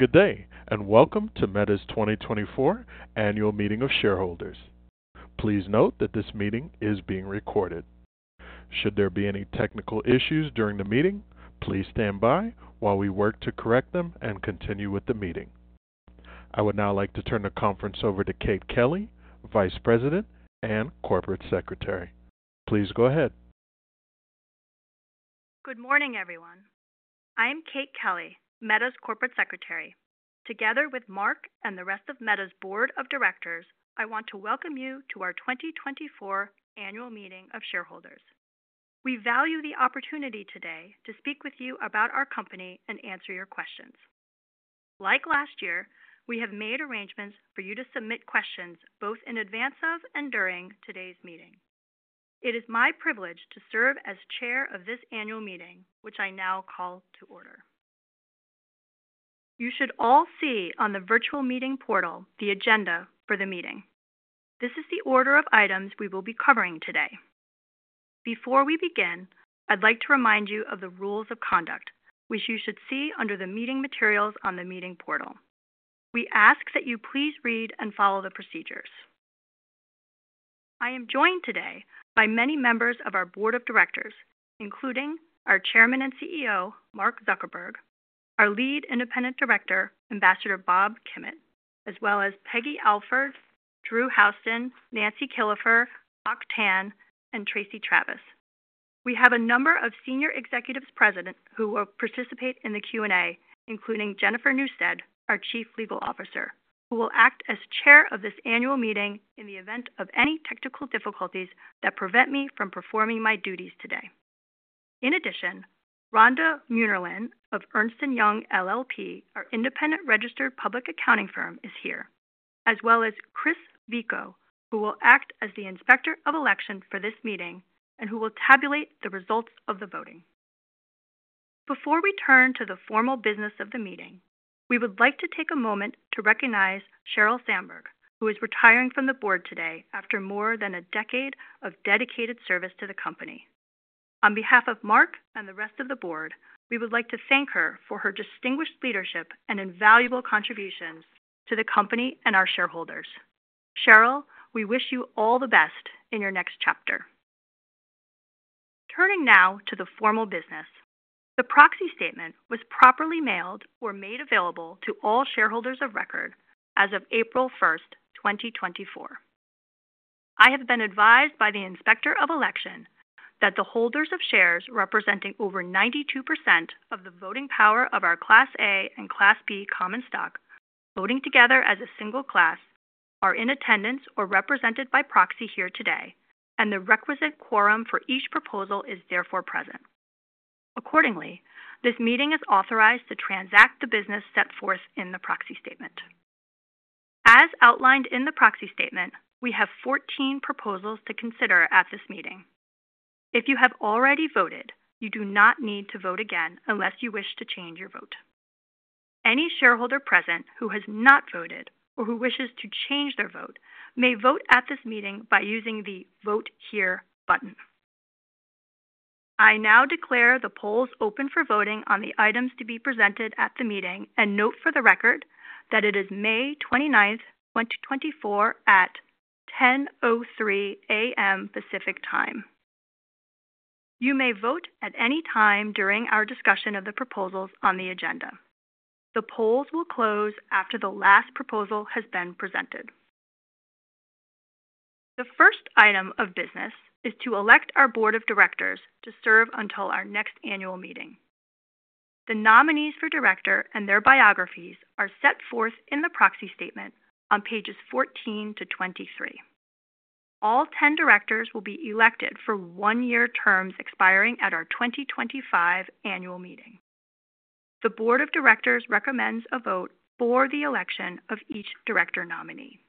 Good day, and welcome to Meta's 2024 Annual Meeting of Shareholders. Please note that this meeting is being recorded. Should there be any technical issues during the meeting, please stand by while we work to correct them and continue with the meeting. I would now like to turn the conference over to Kate Kelly, Vice President and Corporate Secretary. Please go ahead. Good morning, everyone. I am Kate Kelly, Meta's Corporate Secretary. Together with Mark and the rest of Meta's Board of Directors, I want to welcome you to our 2024 Annual Meeting of Shareholders. We value the opportunity today to speak with you about our company and answer your questions. Like last year, we have made arrangements for you to submit questions both in advance of and during today's meeting. It is my privilege to serve as Chair of this annual meeting, which I now call to order. You should all see on the virtual meeting portal the agenda for the meeting. This is the order of items we will be covering today. Before we begin, I'd like to remind you of the rules of conduct, which you should see under the meeting materials on the meeting portal. We ask that you please read and follow the procedures. I am joined today by many members of our Board of Directors, including our Chairman and CEO, Mark Zuckerberg, our Lead Independent Director, Ambassador Bob Kimmitt, as well as Peggy Alford, Drew Houston, Nancy Killefer, Hock Tan, and Tracy Travis. We have a number of senior executives present who will participate in the Q&A, including Jennifer Newstead, our Chief Legal Officer, who will act as Chair of this annual meeting in the event of any technical difficulties that prevent me from performing my duties today. In addition, Rhonda Munnerlyn of Ernst & Young LLP, our independent registered public accounting firm, is here, as well as Chris Veaco, who will act as the Inspector of Election for this meeting and who will tabulate the results of the voting. Before we turn to the formal business of the meeting, we would like to take a moment to recognize Sheryl Sandberg, who is retiring from the board today after more than a decade of dedicated service to the company. On behalf of Mark and the rest of the board, we would like to thank her for her distinguished leadership and invaluable contributions to the company and our shareholders. Sheryl, we wish you all the best in your next chapter. Turning now to the formal business, the proxy statement was properly mailed or made available to all shareholders of record as of April 1, 2024. I have been advised by the Inspector of Election that the holders of shares representing over 92% of the voting power of our Class A and Class B Common Stock, voting together as a single class, are in attendance or represented by proxy here today, and the requisite quorum for each proposal is therefore present. Accordingly, this meeting is authorized to transact the business set forth in the Proxy Statement. As outlined in the Proxy Statement, we have 14 proposals to consider at this meeting. If you have already voted, you do not need to vote again unless you wish to change your vote. Any shareholder present who has not voted or who wishes to change their vote may vote at this meeting by using the Vote Here button. I now declare the polls open for voting on the items to be presented at the meeting and note for the record that it is May 29th, 2024, at 10:03 A.M. Pacific Time. You may vote at any time during our discussion of the proposals on the agenda. The polls will close after the last proposal has been presented. The first item of business is to elect our Board of Directors to serve until our next annual meeting. The nominees for director and their biographies are set forth in the proxy statement on pages 14 to 23. All 10 directors will be elected for one-year terms expiring at our 2025 annual meeting. The Board of Directors recommends a vote for the election of each director nominee.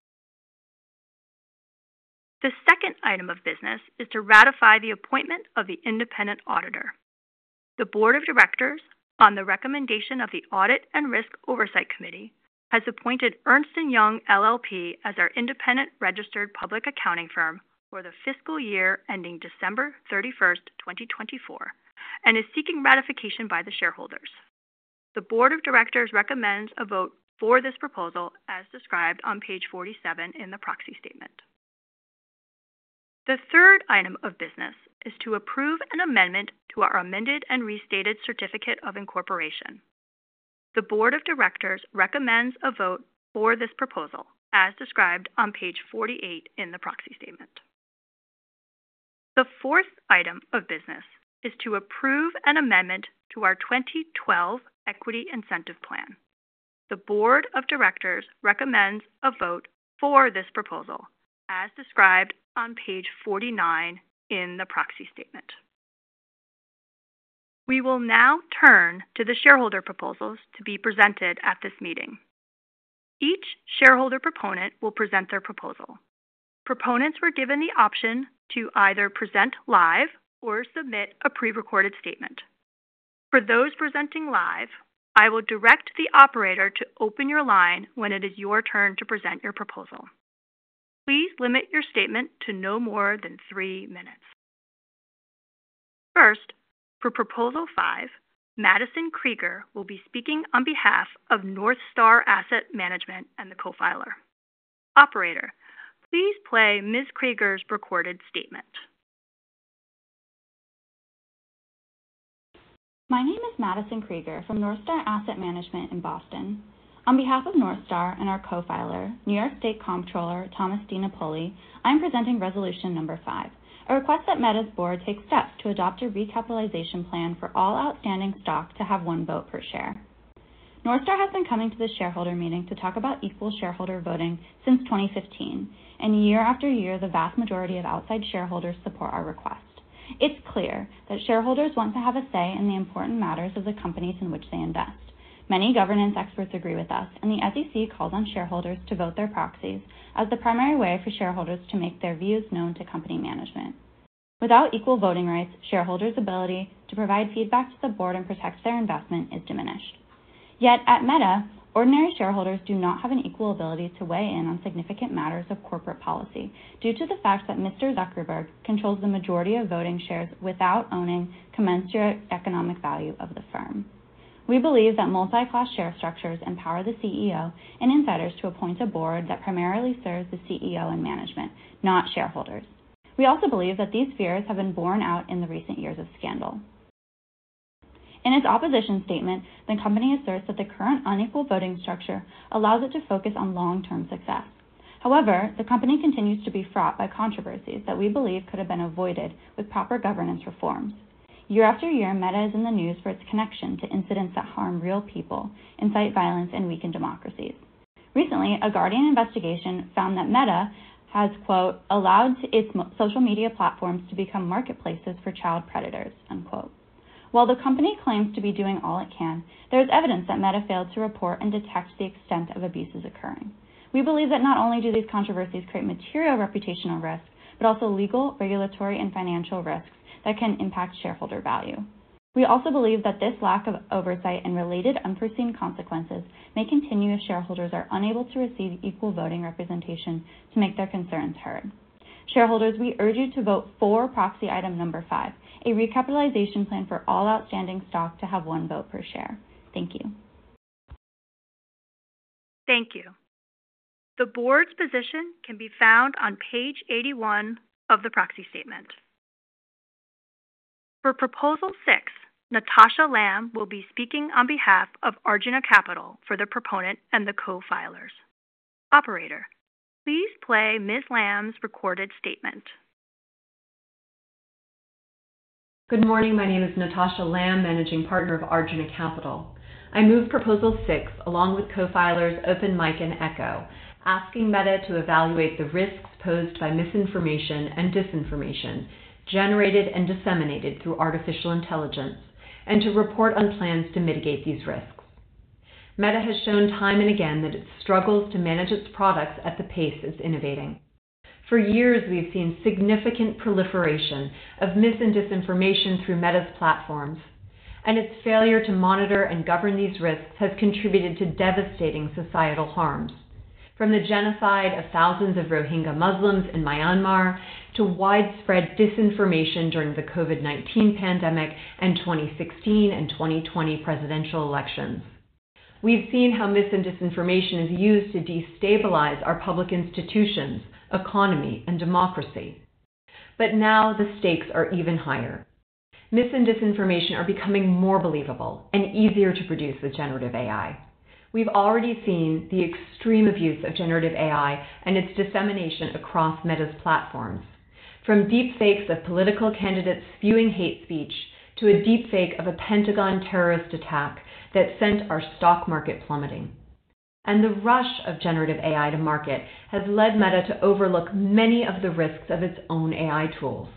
The second item of business is to ratify the appointment of the independent auditor. The Board of Directors, on the recommendation of the Audit and Risk Oversight Committee, has appointed Ernst & Young LLP as our independent registered public accounting firm for the fiscal year ending December 31, 2024, and is seeking ratification by the shareholders. The Board of Directors recommends a vote for this proposal as described on Page 47 in the proxy statement. The third item of business is to approve an amendment to our Amended and Restated Certificate of Incorporation. The Board of Directors recommends a vote for this proposal, as described on Page 48 in the proxy statement. The fourth item of business is to approve an amendment to our 2012 Equity Incentive Plan. The Board of Directors recommends a vote for this proposal, as described on Page 49 in the proxy statement. We will now turn to the shareholder proposals to be presented at this meeting. Each shareholder proponent will present their proposal. Proponents were given the option to either present live or submit a prerecorded statement. For those presenting live, I will direct the operator to open your line when it is your turn to present your proposal. Please limit your statement to no more than three minutes.... First, for Proposal 5, Madison Krieger will be speaking on behalf of NorthStar Asset Management and the co-filer. Operator, please play Ms. Krieger's recorded statement. My name is Madison Krieger from NorthStar Asset Management in Boston. On behalf of NorthStar and our co-filer, New York State Comptroller Thomas DiNapoli, I'm presenting Resolution Number Five, a request that Meta's board take steps to adopt a recapitalization plan for all outstanding stock to have one vote per share. NorthStar has been coming to the shareholder meeting to talk about equal shareholder voting since 2015, and year after year, the vast majority of outside shareholders support our request. It's clear that shareholders want to have a say in the important matters of the companies in which they invest. Many governance experts agree with us, and the SEC calls on shareholders to vote their proxies as the primary way for shareholders to make their views known to company management. Without equal voting rights, shareholders' ability to provide feedback to the board and protect their investment is diminished. Yet at Meta, ordinary shareholders do not have an equal ability to weigh in on significant matters of corporate policy due to the fact that Mr. Zuckerberg controls the majority of voting shares without owning commensurate economic value of the firm. We believe that multi-class share structures empower the CEO and insiders to appoint a board that primarily serves the CEO and management, not shareholders. We also believe that these fears have been borne out in the recent years of scandal. In its opposition statement, the company asserts that the current unequal voting structure allows it to focus on long-term success. However, the company continues to be fraught by controversies that we believe could have been avoided with proper governance reforms. Year after year, Meta is in the news for its connection to incidents that harm real people, incite violence, and weaken democracies. Recently, The Guardian investigation found that Meta has, quote, "Allowed its social media platforms to become marketplaces for child predators," unquote. While the company claims to be doing all it can, there is evidence that Meta failed to report and detect the extent of abuses occurring. We believe that not only do these controversies create material reputational risks, but also legal, regulatory, and financial risks that can impact shareholder value. We also believe that this lack of oversight and related unforeseen consequences may continue if shareholders are unable to receive equal voting representation to make their concerns heard. Shareholders, we urge you to vote for proxy item number five, a recapitalization plan for all outstanding stock to have one vote per share. Thank you. Thank you. The Board's position can be found on Page 81 of the proxy statement. For Proposal 6, Natasha Lamb will be speaking on behalf of Arjuna Capital for the proponent and the co-filers. Operator, please play Ms. Lamb's recorded statement. Good morning. My name is Natasha Lamb, Managing Partner of Arjuna Capital. I move Proposal 6 along with co-filers Open MIC and Ekō, asking Meta to evaluate the risks posed by misinformation and disinformation generated and disseminated through artificial intelligence, and to report on plans to mitigate these risks. Meta has shown time and again that it struggles to manage its products at the pace it's innovating. For years, we've seen significant proliferation of mis and disinformation through Meta's platforms, and its failure to monitor and govern these risks has contributed to devastating societal harms. From the genocide of thousands of Rohingya Muslims in Myanmar to widespread disinformation during the COVID-19 pandemic and 2016 and 2020 presidential elections, we've seen how mis and disinformation is used to destabilize our public institutions, economy, and democracy. But now the stakes are even higher. Misinformation and disinformation are becoming more believable and easier to produce with generative AI. We've already seen the extreme abuse of generative AI and its dissemination across Meta's platforms, from deepfakes of political candidates spewing hate speech to a deepfake of a Pentagon terrorist attack that sent our stock market plummeting. The rush of generative AI to market has led Meta to overlook many of the risks of its own AI tools.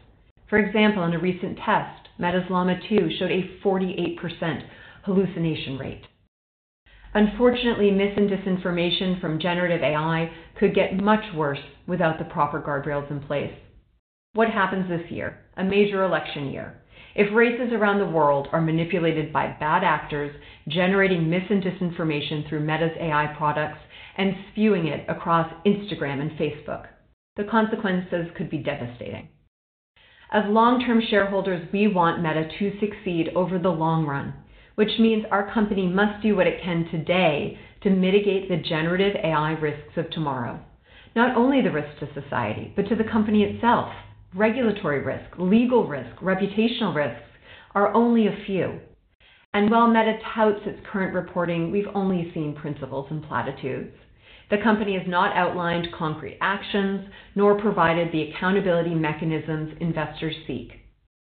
For example, in a recent test, Meta's Llama 2 showed a 48% hallucination rate. Unfortunately, misinformation and disinformation from generative AI could get much worse without the proper guardrails in place. What happens this year, a major election year, if races around the world are manipulated by bad actors generating misinformation and disinformation through Meta's AI products and spewing it across Instagram and Facebook? The consequences could be devastating. As long-term shareholders, we want Meta to succeed over the long run, which means our company must do what it can today to mitigate the generative AI risks of tomorrow. Not only the risks to society, but to the company itself. Regulatory risk, legal risk, reputational risks are only a few, and while Meta touts its current reporting, we've only seen principles and platitudes. The company has not outlined concrete actions nor provided the accountability mechanisms investors seek.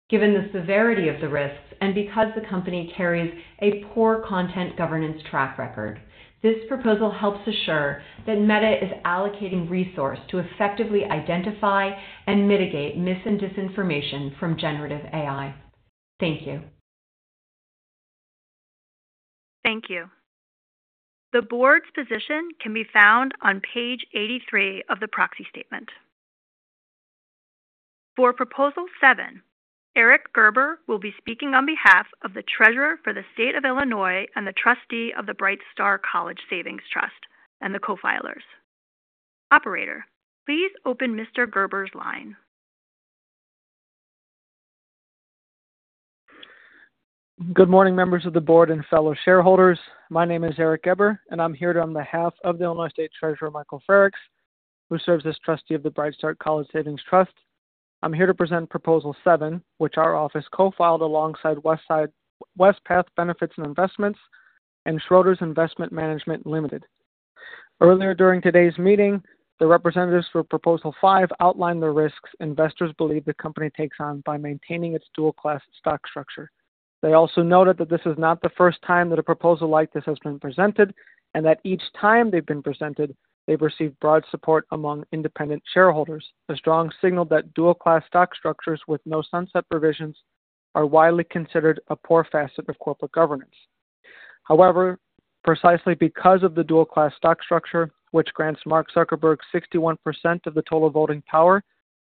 Given the severity of the risks, and because the company carries a poor content governance track record, this proposal helps assure that Meta is allocating resource to effectively identify and mitigate mis and disinformation from generative AI. Thank you. Thank you. The board's position can be found on Page 83 of the Proxy Statement. For Proposal 7, Eric Gerber will be speaking on behalf of the Treasurer for the State of Illinois and the trustee of the Bright Start College Savings Trust and the co-filers. Operator, please open Mr. Gerber's line. Good morning, members of the board and fellow shareholders. My name is Eric Gerber, and I'm here on behalf of the Illinois State Treasurer, Michael Frerichs, who serves as trustee of the Bright Start College Savings Trust. I'm here to present Proposal 7, which our office co-filed alongside Wespath Benefits and Investments and Schroders Investment Management Limited. Earlier during today's meeting, the representatives for Proposal Five outlined the risks investors believe the company takes on by maintaining its dual class stock structure. They also noted that this is not the first time that a proposal like this has been presented, and that each time they've been presented, they've received broad support among independent shareholders. A strong signal that dual class stock structures with no sunset provisions are widely considered a poor facet of corporate governance. However, precisely because of the dual class stock structure, which grants Mark Zuckerberg 61% of the total voting power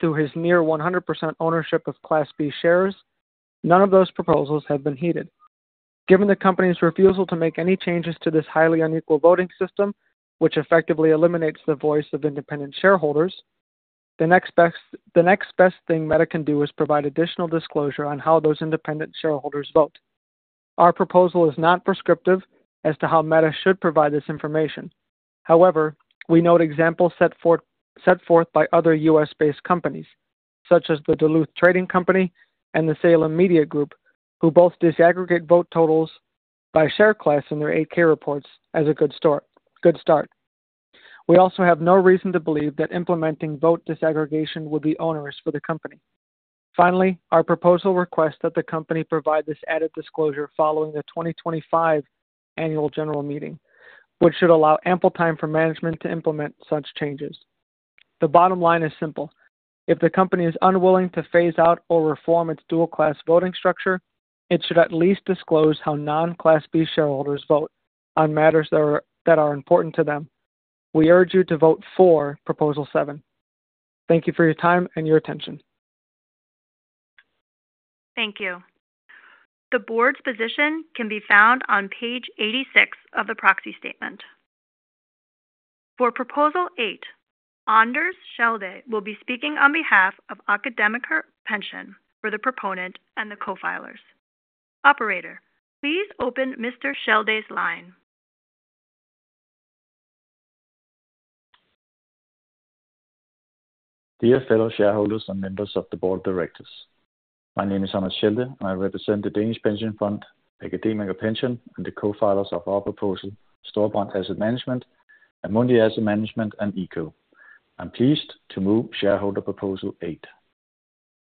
to his near 100% ownership of Class B shares, none of those proposals have been heeded. Given the company's refusal to make any changes to this highly unequal voting system, which effectively eliminates the voice of independent shareholders, the next best thing Meta can do is provide additional disclosure on how those independent shareholders vote. Our proposal is not prescriptive as to how Meta should provide this information. However, we note examples set forth by other U.S.-based companies such as the Duluth Trading Company and the Salem Media Group, who both disaggregate vote totals by share class in their 8-K reports as a good start. We also have no reason to believe that implementing vote disaggregation would be onerous for the company. Finally, our proposal requests that the company provide this added disclosure following the 2025 Annual General Meeting, which should allow ample time for management to implement such changes. The bottom line is simple: If the company is unwilling to phase out or reform its dual class voting structure, it should at least disclose how non-Class B shareholders vote on matters that are important to them. We urge you to vote for Proposal 7. Thank you for your time and your attention. Thank you. The board's position can be found on Page 86 of the proxy statement. For Proposal 8, Anders Schelde will be speaking on behalf of AkademikerPension for the proponent and the co-filers. Operator, please open Mr. Schelde's line. Dear fellow shareholders and members of the board of directors. My name is Anders Schelde, and I represent the Danish pension fund, AkademikerPension, and the co-filers of our proposal, Storebrand Asset Management and Amundi Asset Management and Ekō. I'm pleased to move Shareholder Proposal Eight.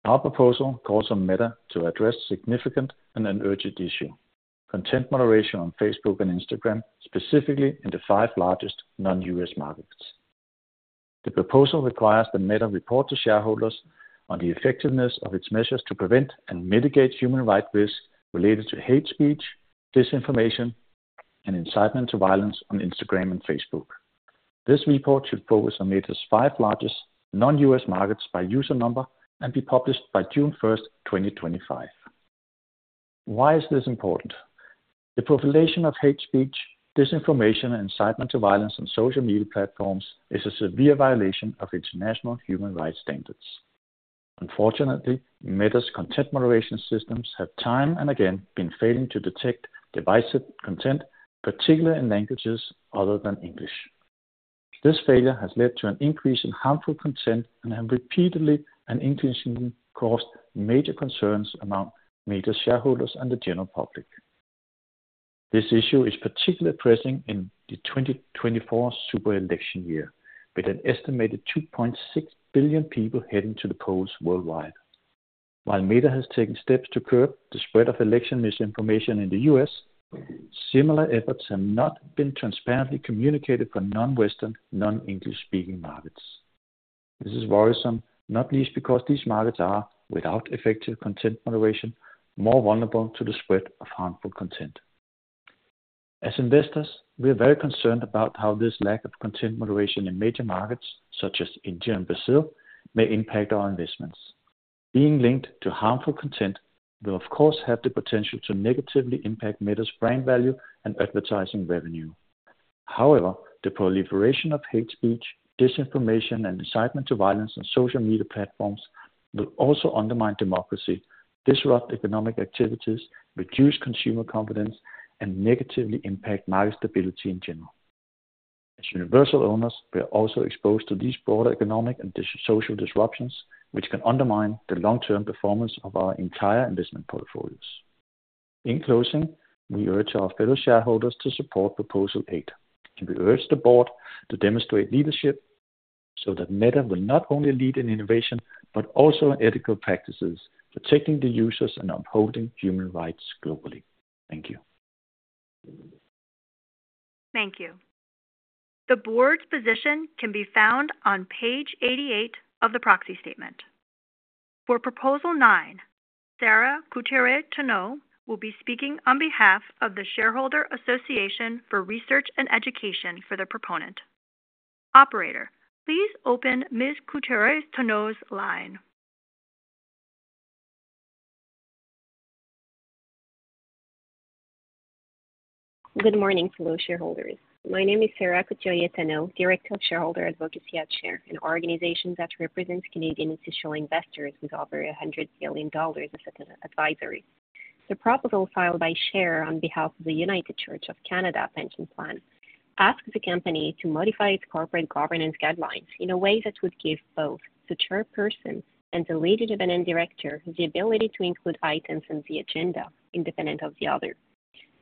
Our proposal calls on Meta to address significant and an urgent issue, content moderation on Facebook and Instagram, specifically in the five largest non-U.S. markets. The proposal requires that Meta report to shareholders on the effectiveness of its measures to prevent and mitigate human rights risks related to hate speech, disinformation, and incitement to violence on Instagram and Facebook. This report should focus on Meta's five largest non-U.S. markets by user number and be published by June 1, 2025. Why is this important? The proliferation of hate speech, disinformation, and incitement to violence on social media platforms is a severe violation of international human rights standards. Unfortunately, Meta's content moderation systems have time and again been failing to detect divisive content, particularly in languages other than English. This failure has led to an increase in harmful content and have repeatedly and increasingly caused major concerns among Meta shareholders and the general public. This issue is particularly pressing in the 2024 super election year, with an estimated 2.6 billion people heading to the polls worldwide. While Meta has taken steps to curb the spread of election misinformation in the U.S., similar efforts have not been transparently communicated for non-Western, non-English speaking markets. This is worrisome, not least because these markets are, without effective content moderation, more vulnerable to the spread of harmful content. As investors, we are very concerned about how this lack of content moderation in major markets such as India and Brazil may impact our investments. Being linked to harmful content will of course have the potential to negatively impact Meta's brand value and advertising revenue. However, the proliferation of hate speech, disinformation, and incitement to violence on social media platforms will also undermine democracy, disrupt economic activities, reduce consumer confidence, and negatively impact market stability in general. As universal owners, we are also exposed to these broader economic and social disruptions, which can undermine the long-term performance of our entire investment portfolios. In closing, we urge our fellow shareholders to support Proposal Eight, and we urge the board to demonstrate leadership so that Meta will not only lead in innovation, but also in ethical practices, protecting the users and upholding human rights globally. Thank you. Thank you. The board's position can be found on Page 88 of the proxy statement. For Proposal 9, Sarah Couturier-Tanoh will be speaking on behalf of the Shareholder Association for Research and Education for the proponent. Operator, please open Ms. Couturier-Tanoh's line. Good morning, fellow shareholders. My name is Sarah Couturier-Tanoh, Director of Shareholder Advocacy at SHARE, an organization that represents Canadian institutional investors with over 100 billion dollars as an advisory. The proposal filed by SHARE on behalf of the United Church of Canada Pension Plan asks the company to modify its Corporate Governance Guidelines in a way that would give both the chairperson and the lead independent director the ability to include items on the agenda independent of the other.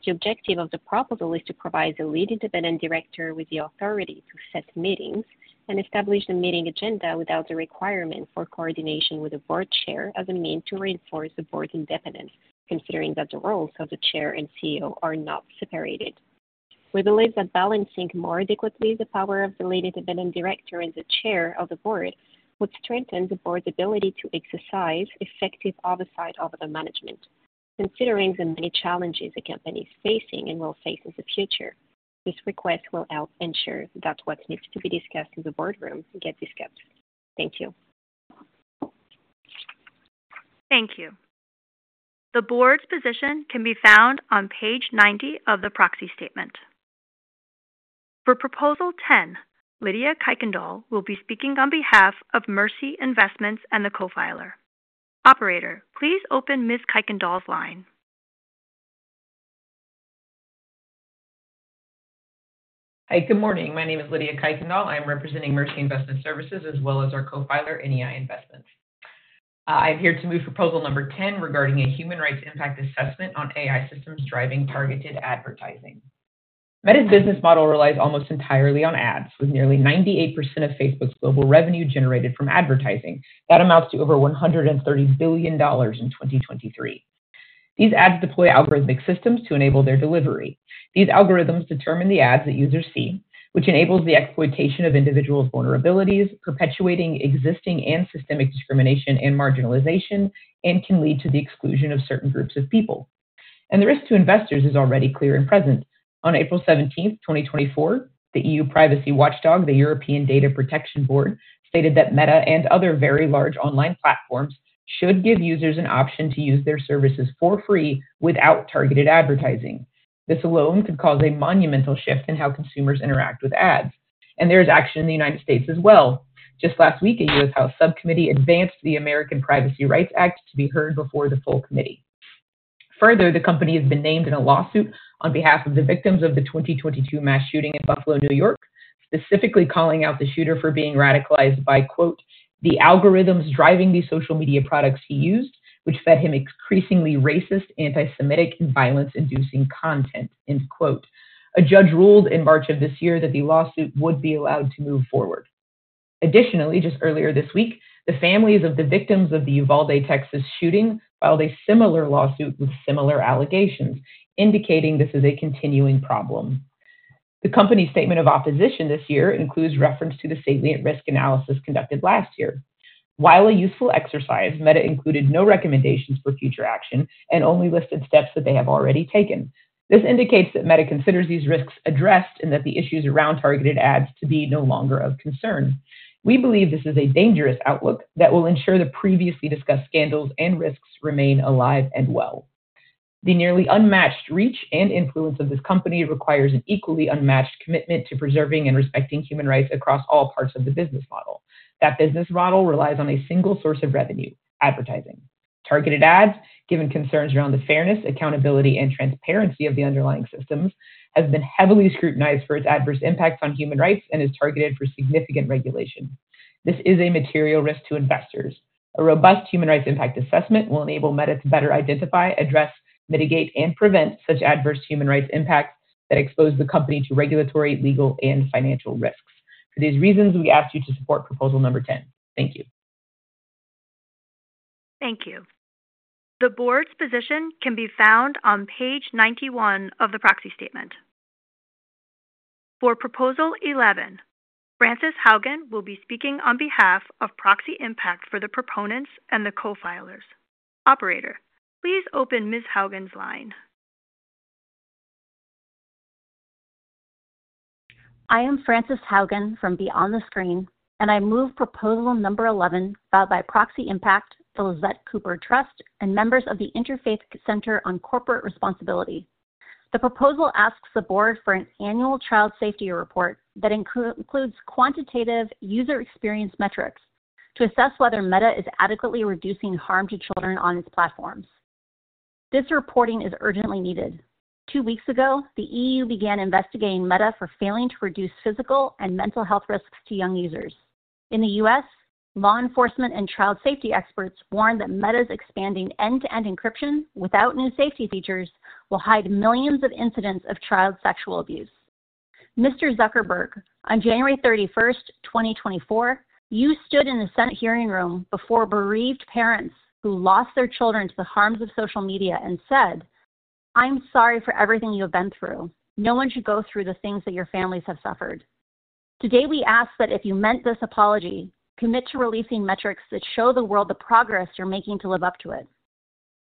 The objective of the proposal is to provide the lead independent director with the authority to set meetings and establish the meeting agenda without the requirement for coordination with the board chair as a means to reinforce the board's independence, considering that the roles of the chair and CEO are not separated. We believe that balancing more adequately the power of the lead independent director and the chair of the board would strengthen the board's ability to exercise effective oversight over the management. Considering the many challenges the company is facing and will face in the future, this request will help ensure that what needs to be discussed in the boardroom gets discussed. Thank you. Thank you. The board's position can be found on Page 90 of the proxy statement. For Proposal 10, Lydia Kuykendal will be speaking on behalf of Mercy Investments and the co-filer. Operator, please open Ms. Kuykendal's line. Hi, good morning. My name is Lydia Kuykendal. I'm representing Mercy Investment Services as well as our co-filer, NEI Investments. I'm here to move proposal number ten regarding a human rights impact assessment on AI systems driving targeted advertising. Meta's business model relies almost entirely on ads, with nearly 98% of Facebook's global revenue generated from advertising. That amounts to over $130 billion in 2023. These ads deploy algorithmic systems to enable their delivery. These algorithms determine the ads that users see, which enables the exploitation of individuals' vulnerabilities, perpetuating existing and systemic discrimination and marginalization, and can lead to the exclusion of certain groups of people. The risk to investors is already clear and present. On April 17, 2024, the EU privacy watchdog, the European Data Protection Board, stated that Meta and other very large online platforms should give users an option to use their services for free without targeted advertising. This alone could cause a monumental shift in how consumers interact with ads, and there is action in the United States as well. Just last week, a U.S. House subcommittee advanced the American Privacy Rights Act to be heard before the full committee. Further, the company has been named in a lawsuit on behalf of the victims of the 2022 mass shooting in Buffalo, New York, specifically calling out the shooter for being radicalized by, quote, "the algorithms driving the social media products he used, which fed him increasingly racist, antisemitic, and violence-inducing content," end quote. A judge ruled in March of this year that the lawsuit would be allowed to move forward. Additionally, just earlier this week, the families of the victims of the Uvalde, Texas, shooting filed a similar lawsuit with similar allegations, indicating this is a continuing problem. The company's statement of opposition this year includes reference to the salient risk analysis conducted last year. While a useful exercise, Meta included no recommendations for future action and only listed steps that they have already taken. This indicates that Meta considers these risks addressed and that the issues around targeted ads to be no longer of concern. We believe this is a dangerous outlook that will ensure the previously discussed scandals and risks remain alive and well. The nearly unmatched reach and influence of this company requires an equally unmatched commitment to preserving and respecting human rights across all parts of the business model. That business model relies on a single source of revenue, advertising. Targeted ads, given concerns around the fairness, accountability, and transparency of the underlying systems, have been heavily scrutinized for its adverse impacts on human rights and is targeted for significant regulation. This is a material risk to investors. A robust human rights impact assessment will enable Meta to better identify, address, mitigate, and prevent such adverse human rights impacts that expose the company to regulatory, legal, and financial risks. For these reasons, we ask you to support proposal number 10. Thank you. Thank you. The board's position can be found on Page 91 of the proxy statement. For Proposal 11, Frances Haugen will be speaking on behalf of Proxy Impact for the proponents and the co-filers. Operator, please open Ms. Haugen's line. I am Frances Haugen from Beyond the Screen, and I move proposal number 11, filed by Proxy Impact, the Lisette Cooper Trust, and members of the Interfaith Center on Corporate Responsibility. The proposal asks the board for an annual child safety report that includes quantitative user experience metrics to assess whether Meta is adequately reducing harm to children on its platforms. This reporting is urgently needed. Two weeks ago, the EU began investigating Meta for failing to reduce physical and mental health risks to young users. In the U.S., law enforcement and child safety experts warn that Meta's expanding end-to-end encryption without new safety features will hide millions of incidents of child sexual abuse. Mr. Zuckerberg, on January 31, 2024, you stood in the Senate hearing room before bereaved parents who lost their children to the harms of social media and said, "I'm sorry for everything you have been through. No one should go through the things that your families have suffered." Today, we ask that if you meant this apology, commit to releasing metrics that show the world the progress you're making to live up to it.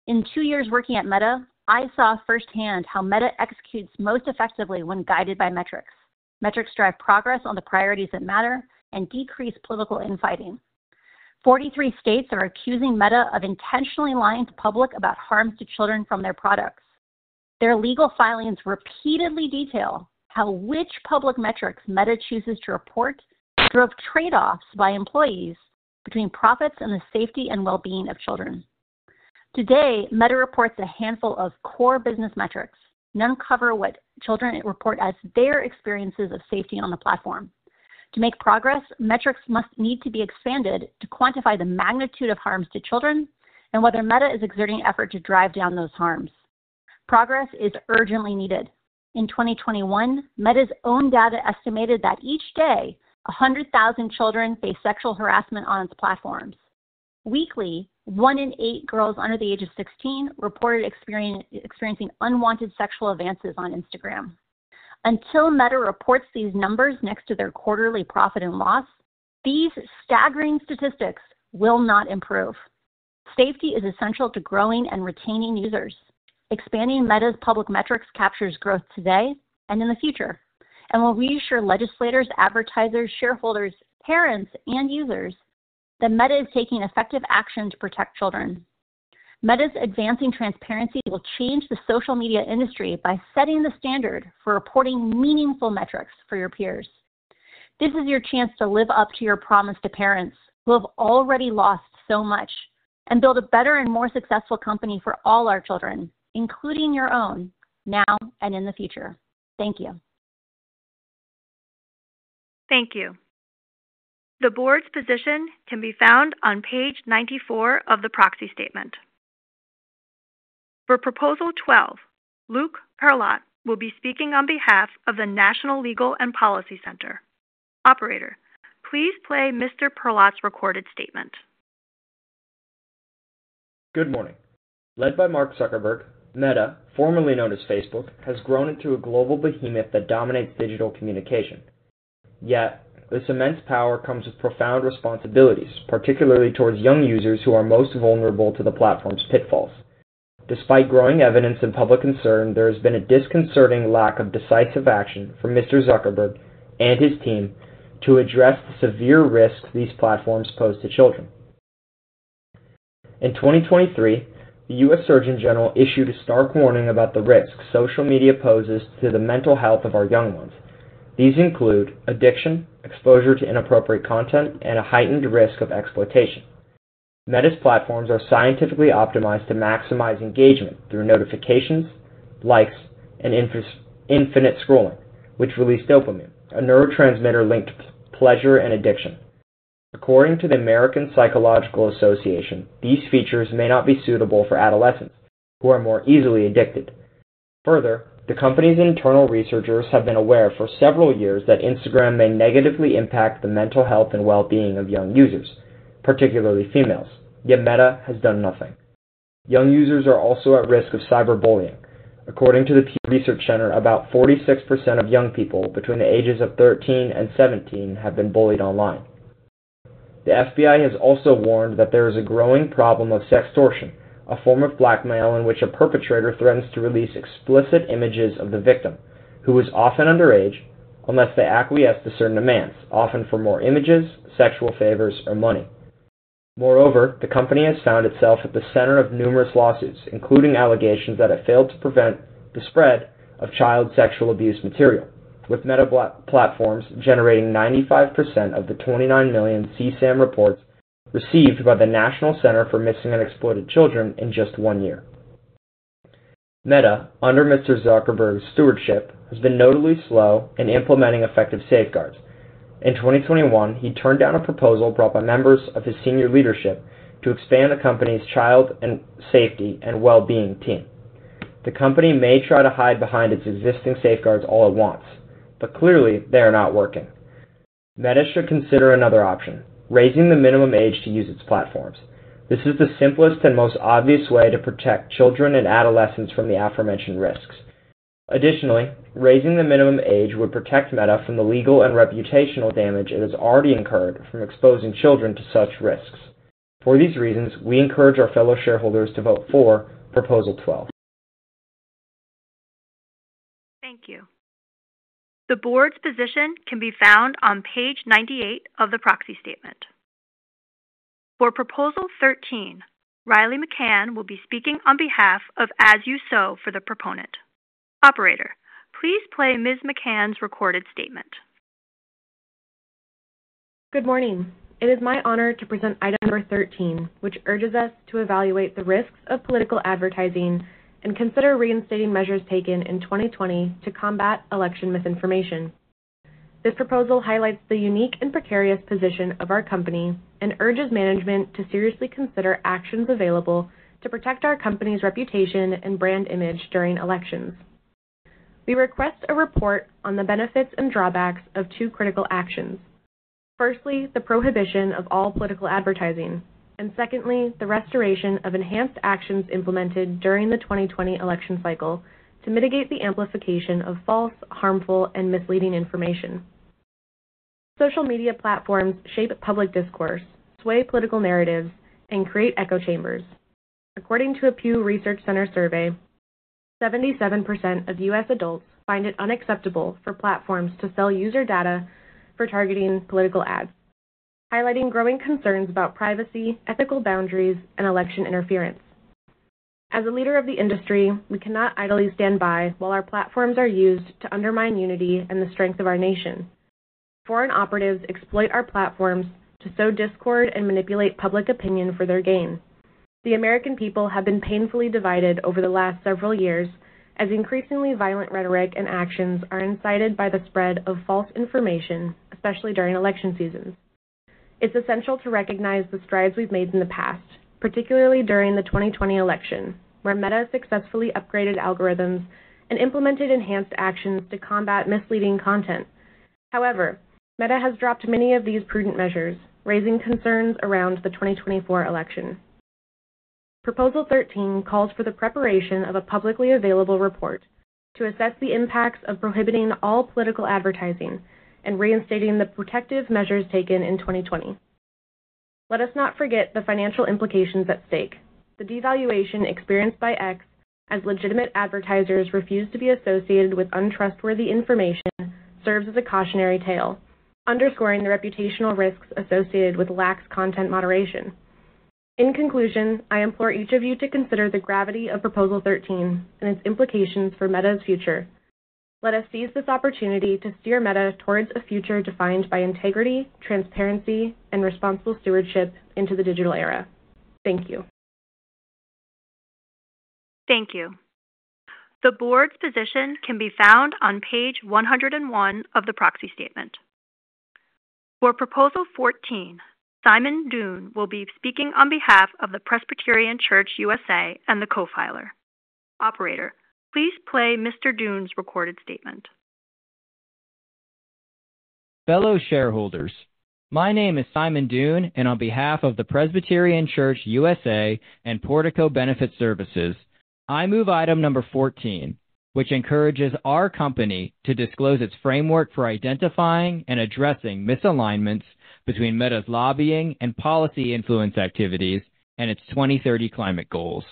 In two years working at Meta, I saw firsthand how Meta executes most effectively when guided by metrics. Metrics drive progress on the priorities that matter and decrease political infighting.... 43 states are accusing Meta of intentionally lying to the public about harms to children from their products. Their legal filings repeatedly detail how which public metrics Meta chooses to report drove trade-offs by employees between profits and the safety and well-being of children. Today, Meta reports a handful of core business metrics. None cover what children report as their experiences of safety on the platform. To make progress, metrics must need to be expanded to quantify the magnitude of harms to children and whether Meta is exerting effort to drive down those harms. Progress is urgently needed. In 2021, Meta's own data estimated that each day, 100,000 children face sexual harassment on its platforms. Weekly, one in eight girls under the age of 16 reported experiencing unwanted sexual advances on Instagram. Until Meta reports these numbers next to their quarterly profit and loss, these staggering statistics will not improve. Safety is essential to growing and retaining users. Expanding Meta's public metrics captures growth today and in the future and will reassure legislators, advertisers, shareholders, parents, and users that Meta is taking effective action to protect children. Meta's advancing transparency will change the social media industry by setting the standard for reporting meaningful metrics for your peers. This is your chance to live up to your promise to parents who have already lost so much and build a better and more successful company for all our children, including your own, now and in the future. Thank you. Thank you. The board's position can be found on Page 94 of the proxy statement. For Proposal 12, Luke Perlot will be speaking on behalf of the National Legal and Policy Center. Operator, please play Mr. Perlot's recorded statement. Good morning. Led by Mark Zuckerberg, Meta, formerly known as Facebook, has grown into a global behemoth that dominates digital communication. Yet this immense power comes with profound responsibilities, particularly towards young users who are most vulnerable to the platform's pitfalls. Despite growing evidence and public concern, there has been a disconcerting lack of decisive action from Mr. Zuckerberg and his team to address the severe risks these platforms pose to children. In 2023, the U.S. Surgeon General issued a stark warning about the risks social media poses to the mental health of our young ones. These include addiction, exposure to inappropriate content, and a heightened risk of exploitation. Meta's platforms are scientifically optimized to maximize engagement through notifications, likes, and infinite scrolling, which release dopamine, a neurotransmitter linked to pleasure and addiction. According to the American Psychological Association, these features may not be suitable for adolescents who are more easily addicted. Further, the company's internal researchers have been aware for several years that Instagram may negatively impact the mental health and well-being of young users, particularly females, yet Meta has done nothing. Young users are also at risk of cyberbullying. According to the Pew Research Center, about 46% of young people between the ages of 13 and 17 have been bullied online. The FBI has also warned that there is a growing problem of sextortion, a form of blackmail in which a perpetrator threatens to release explicit images of the victim, who is often underage, unless they acquiesce to certain demands, often for more images, sexual favors, or money. Moreover, the company has found itself at the center of numerous lawsuits, including allegations that it failed to prevent the spread of child sexual abuse material, with Meta Platforms generating 95% of the 29 million CSAM reports received by the National Center for Missing and Exploited Children in just one year. Meta, under Mr. Zuckerberg's stewardship, has been notably slow in implementing effective safeguards. In 2021, he turned down a proposal brought by members of his senior leadership to expand the company's child and safety and well-being team. The company may try to hide behind its existing safeguards all it wants, but clearly they are not working. Meta should consider another option: raising the minimum age to use its platforms. This is the simplest and most obvious way to protect children and adolescents from the aforementioned risks. Additionally, raising the minimum age would protect Meta from the legal and reputational damage it has already incurred from exposing children to such risks. For these reasons, we encourage our fellow shareholders to vote for Proposal 12. Thank you. The board's position can be found on Page 98 of the proxy statement. For Proposal 13, Riley McCann will be speaking on behalf of As You Sow for the proponent. Operator, please play Ms. McCann's recorded statement. Good morning. It is my honor to present item number 13, which urges us to evaluate the risks of political advertising and consider reinstating measures taken in 2020 to combat election misinformation. This proposal highlights the unique and precarious position of our company and urges management to seriously consider actions available to protect our company's reputation and brand image during elections. We request a report on the benefits and drawbacks of two critical actions. firstly, the prohibition of all political advertising, and secondly, the restoration of enhanced actions implemented during the 2020 election cycle to mitigate the amplification of false, harmful, and misleading information. Social media platforms shape public discourse, sway political narratives, and create echo chambers. According to a Pew Research Center survey,... 77% of U.S. adults find it unacceptable for platforms to sell user data for targeting political ads, highlighting growing concerns about privacy, ethical boundaries, and election interference. As a leader of the industry, we cannot idly stand by while our platforms are used to undermine unity and the strength of our nation. Foreign operatives exploit our platforms to sow discord and manipulate public opinion for their gain. The American people have been painfully divided over the last several years as increasingly violent rhetoric and actions are incited by the spread of false information, especially during election seasons. It's essential to recognize the strides we've made in the past, particularly during the 2020 election, where Meta successfully upgraded algorithms and implemented enhanced actions to combat misleading content. However, Meta has dropped many of these prudent measures, raising concerns around the 2024 election. Proposal 13 calls for the preparation of a publicly available report to assess the impacts of prohibiting all political advertising and reinstating the protective measures taken in 2020. Let us not forget the financial implications at stake. The devaluation experienced by X as legitimate advertisers refuse to be associated with untrustworthy information, serves as a cautionary tale, underscoring the reputational risks associated with lax content moderation. In conclusion, I implore each of you to consider the gravity of Proposal 13 and its implications for Meta's future. Let us seize this opportunity to steer Meta towards a future defined by integrity, transparency, and responsible stewardship into the digital era. Thank you. Thank you. The board's position can be found on Page 101 of the proxy statement. For Proposal 14, Simon Doong will be speaking on behalf of the Presbyterian Church U.S.A and the co-filer. Operator, please play Mr. Doong's recorded statement. Fellow shareholders, my name is Simon Doong, and on behalf of the Presbyterian Church U.S.A. and Portico Benefit Services, I move item number 14, which encourages our company to disclose its framework for identifying and addressing misalignments between Meta's lobbying and policy influence activities and its 2030 climate goals.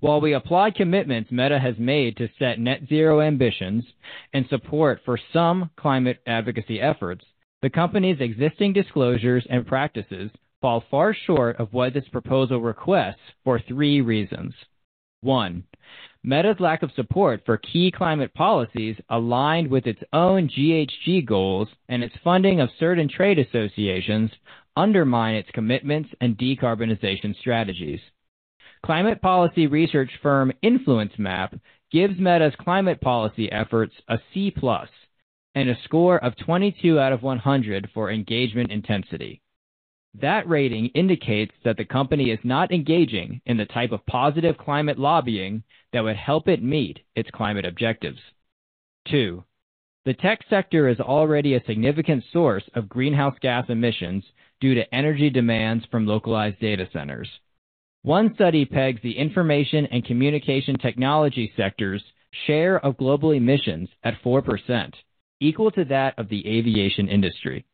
While we applaud commitments Meta has made to set net zero ambitions and support for some climate advocacy efforts, the company's existing disclosures and practices fall far short of what this proposal requests for three reasons. One, Meta's lack of support for key climate policies aligned with its own GHG goals and its funding of certain trade associations undermine its commitments and decarbonization strategies. Climate policy research firm InfluenceMap gives Meta's climate policy efforts a C plus and a score of 22 out of 100 for engagement intensity. That rating indicates that the company is not engaging in the type of positive climate lobbying that would help it meet its climate objectives. Two, the tech sector is already a significant source of greenhouse gas emissions due to energy demands from localized data centers. One study pegs the information and communication technology sector's share of global emissions at 4%, equal to that of the aviation industry.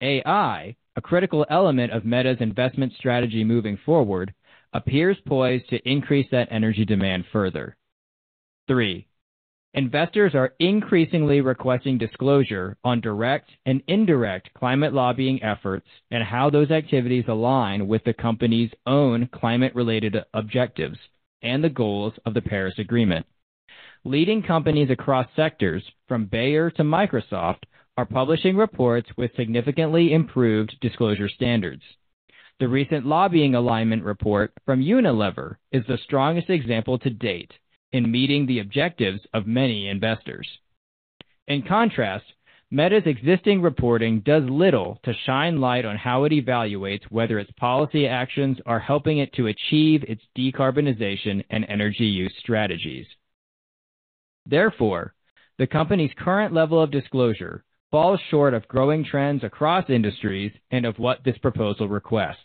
AI, a critical element of Meta's investment strategy moving forward, appears poised to increase that energy demand further. Three, investors are increasingly requesting disclosure on direct and indirect climate lobbying efforts and how those activities align with the company's own climate-related objectives and the goals of the Paris Agreement. Leading companies across sectors from Bayer to Microsoft are publishing reports with significantly improved disclosure standards. The recent lobbying alignment report from Unilever is the strongest example to date in meeting the objectives of many investors. In contrast, Meta's existing reporting does little to shine light on how it evaluates whether its policy actions are helping it to achieve its decarbonization and energy use strategies. Therefore, the company's current level of disclosure falls short of growing trends across industries and of what this proposal requests.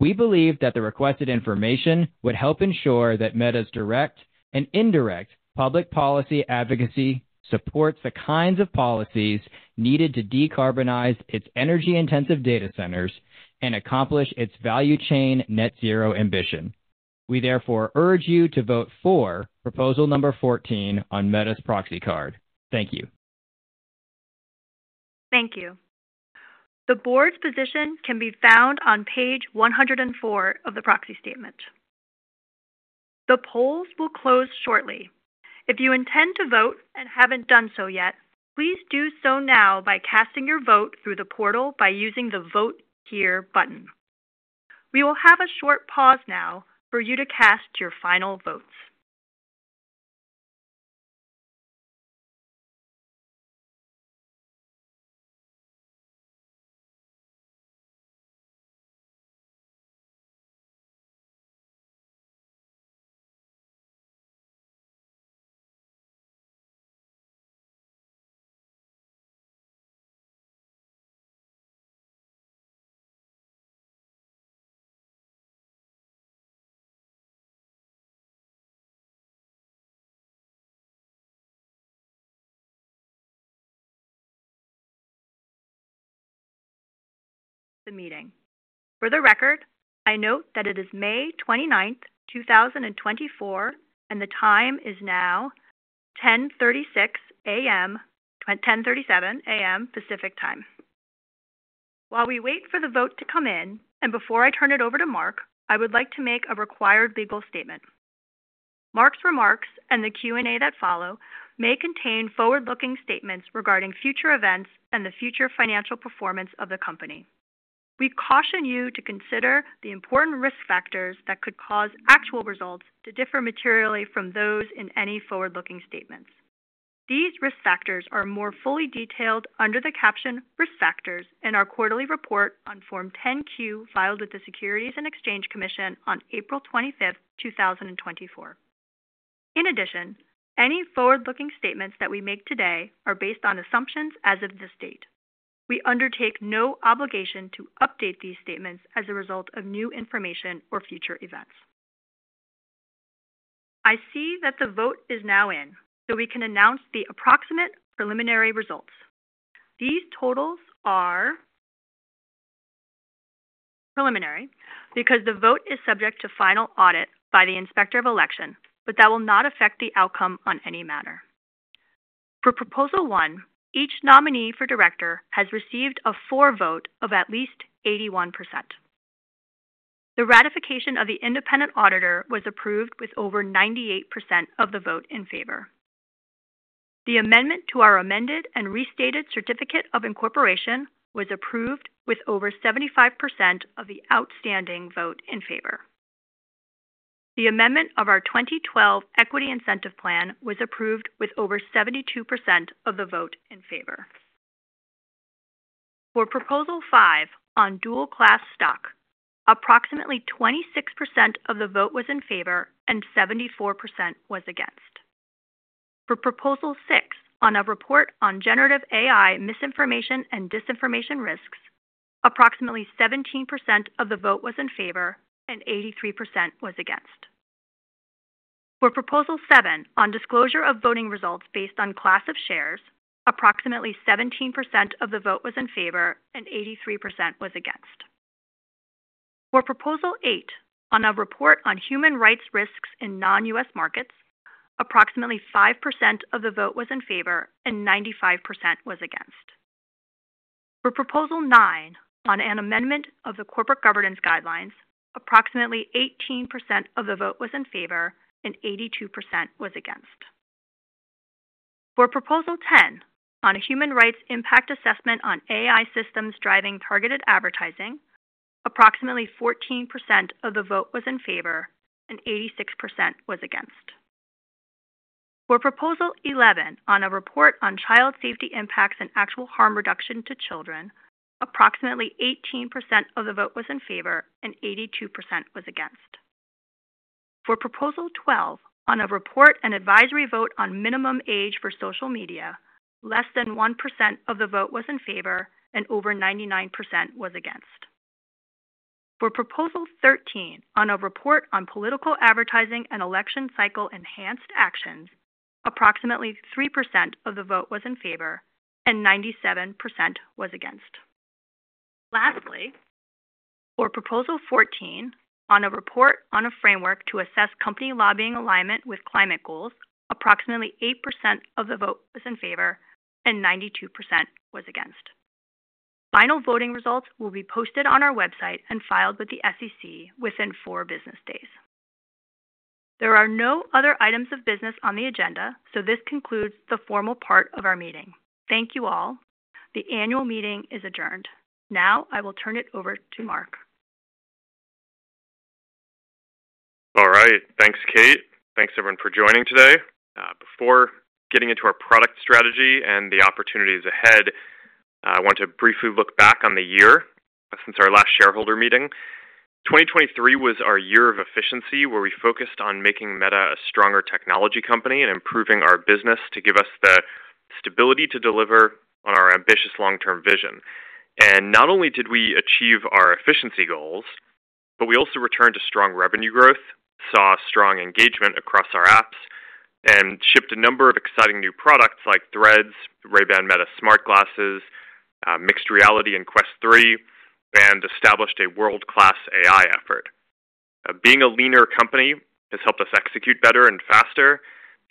We believe that the requested information would help ensure that Meta's direct and indirect public policy advocacy supports the kinds of policies needed to decarbonize its energy-intensive data centers and accomplish its value chain net zero ambition. We therefore urge you to vote for proposal number 14 on Meta's proxy card. Thank you. Thank you. The board's position can be found on Page 104 of the proxy statement. The polls will close shortly. If you intend to vote and haven't done so yet, please do so now by casting your vote through the portal by using the Vote Here button. We will have a short pause now for you to cast your final votes.... the meeting. For the record, I note that it is May 29, 2024, and the time is now 10:36 A.M.--10:37 A.M. Pacific Time. While we wait for the vote to come in, and before I turn it over to Mark, I would like to make a required legal statement. Mark's remarks and the Q&A that follow may contain forward-looking statements regarding future events and the future financial performance of the company. We caution you to consider the important risk factors that could cause actual results to differ materially from those in any forward-looking statements. These risk factors are more fully detailed under the caption Risk Factors in our quarterly report on Form 10-Q, filed with the Securities and Exchange Commission on April 25, 2024. In addition, any forward-looking statements that we make today are based on assumptions as of this date. We undertake no obligation to update these statements as a result of new information or future events. I see that the vote is now in, so we can announce the approximate preliminary results. These totals are preliminary because the vote is subject to final audit by the Inspector of Election, but that will not affect the outcome on any matter. For Proposal One, each nominee for director has received a for vote of at least 81%. The ratification of the independent auditor was approved with over 98% of the vote in favor. The amendment to our amended and restated certificate of incorporation was approved with over 75% of the outstanding vote in favor. The amendment of our 2012 Equity Incentive Plan was approved with over 72% of the vote in favor. For Proposal Five on dual class stock, approximately 26% of the vote was in favor and 74% was against. For Proposal Six on a report on generative AI, misinformation, and disinformation risks, approximately 17% of the vote was in favor and 83% was against. For Proposal Seven on disclosure of voting results based on class of shares, approximately 17% of the vote was in favor and 83% was against. For Proposal Eight on a report on human rights risks in non-U.S. markets, approximately 5% of the vote was in favor and 95% was against. For Proposal Nine on an amendment of the Corporate Governance Guidelines, approximately 18% of the vote was in favor and 82% was against. For Proposal Ten on a human rights impact assessment on AI systems driving targeted advertising, approximately 14% of the vote was in favor and 86% was against. For Proposal Eleven on a report on child safety impacts and actual harm reduction to children, approximately 18% of the vote was in favor and 82% was against. For Proposal Twelve on a report and advisory vote on minimum age for social media, less than 1% of the vote was in favor and over 99% was against. For Proposal 13 on a report on political advertising and election cycle enhanced actions, approximately 3% of the vote was in favor and 97% was against. Lastly, for Proposal 14 on a report on a framework to assess company lobbying alignment with climate goals, approximately 8% of the vote was in favor and 92% was against. Final voting results will be posted on our website and filed with the SEC within four business days. There are no other items of business on the agenda, so this concludes the formal part of our meeting. Thank you all. The annual meeting is adjourned. Now I will turn it over to Mark. All right, thanks, Kate. Thanks, everyone, for joining today. Before getting into our product strategy and the opportunities ahead, I want to briefly look back on the year since our last shareholder meeting. 2023 was our year of efficiency, where we focused on making Meta a stronger technology company and improving our business to give us the stability to deliver on our ambitious long-term vision. And not only did we achieve our efficiency goals, but we also returned to strong revenue growth, saw strong engagement across our apps, and shipped a number of exciting new products like Threads, Ray-Ban Meta Smart Glasses, mixed reality in Quest 3, and established a world-class AI effort. Being a leaner company has helped us execute better and faster,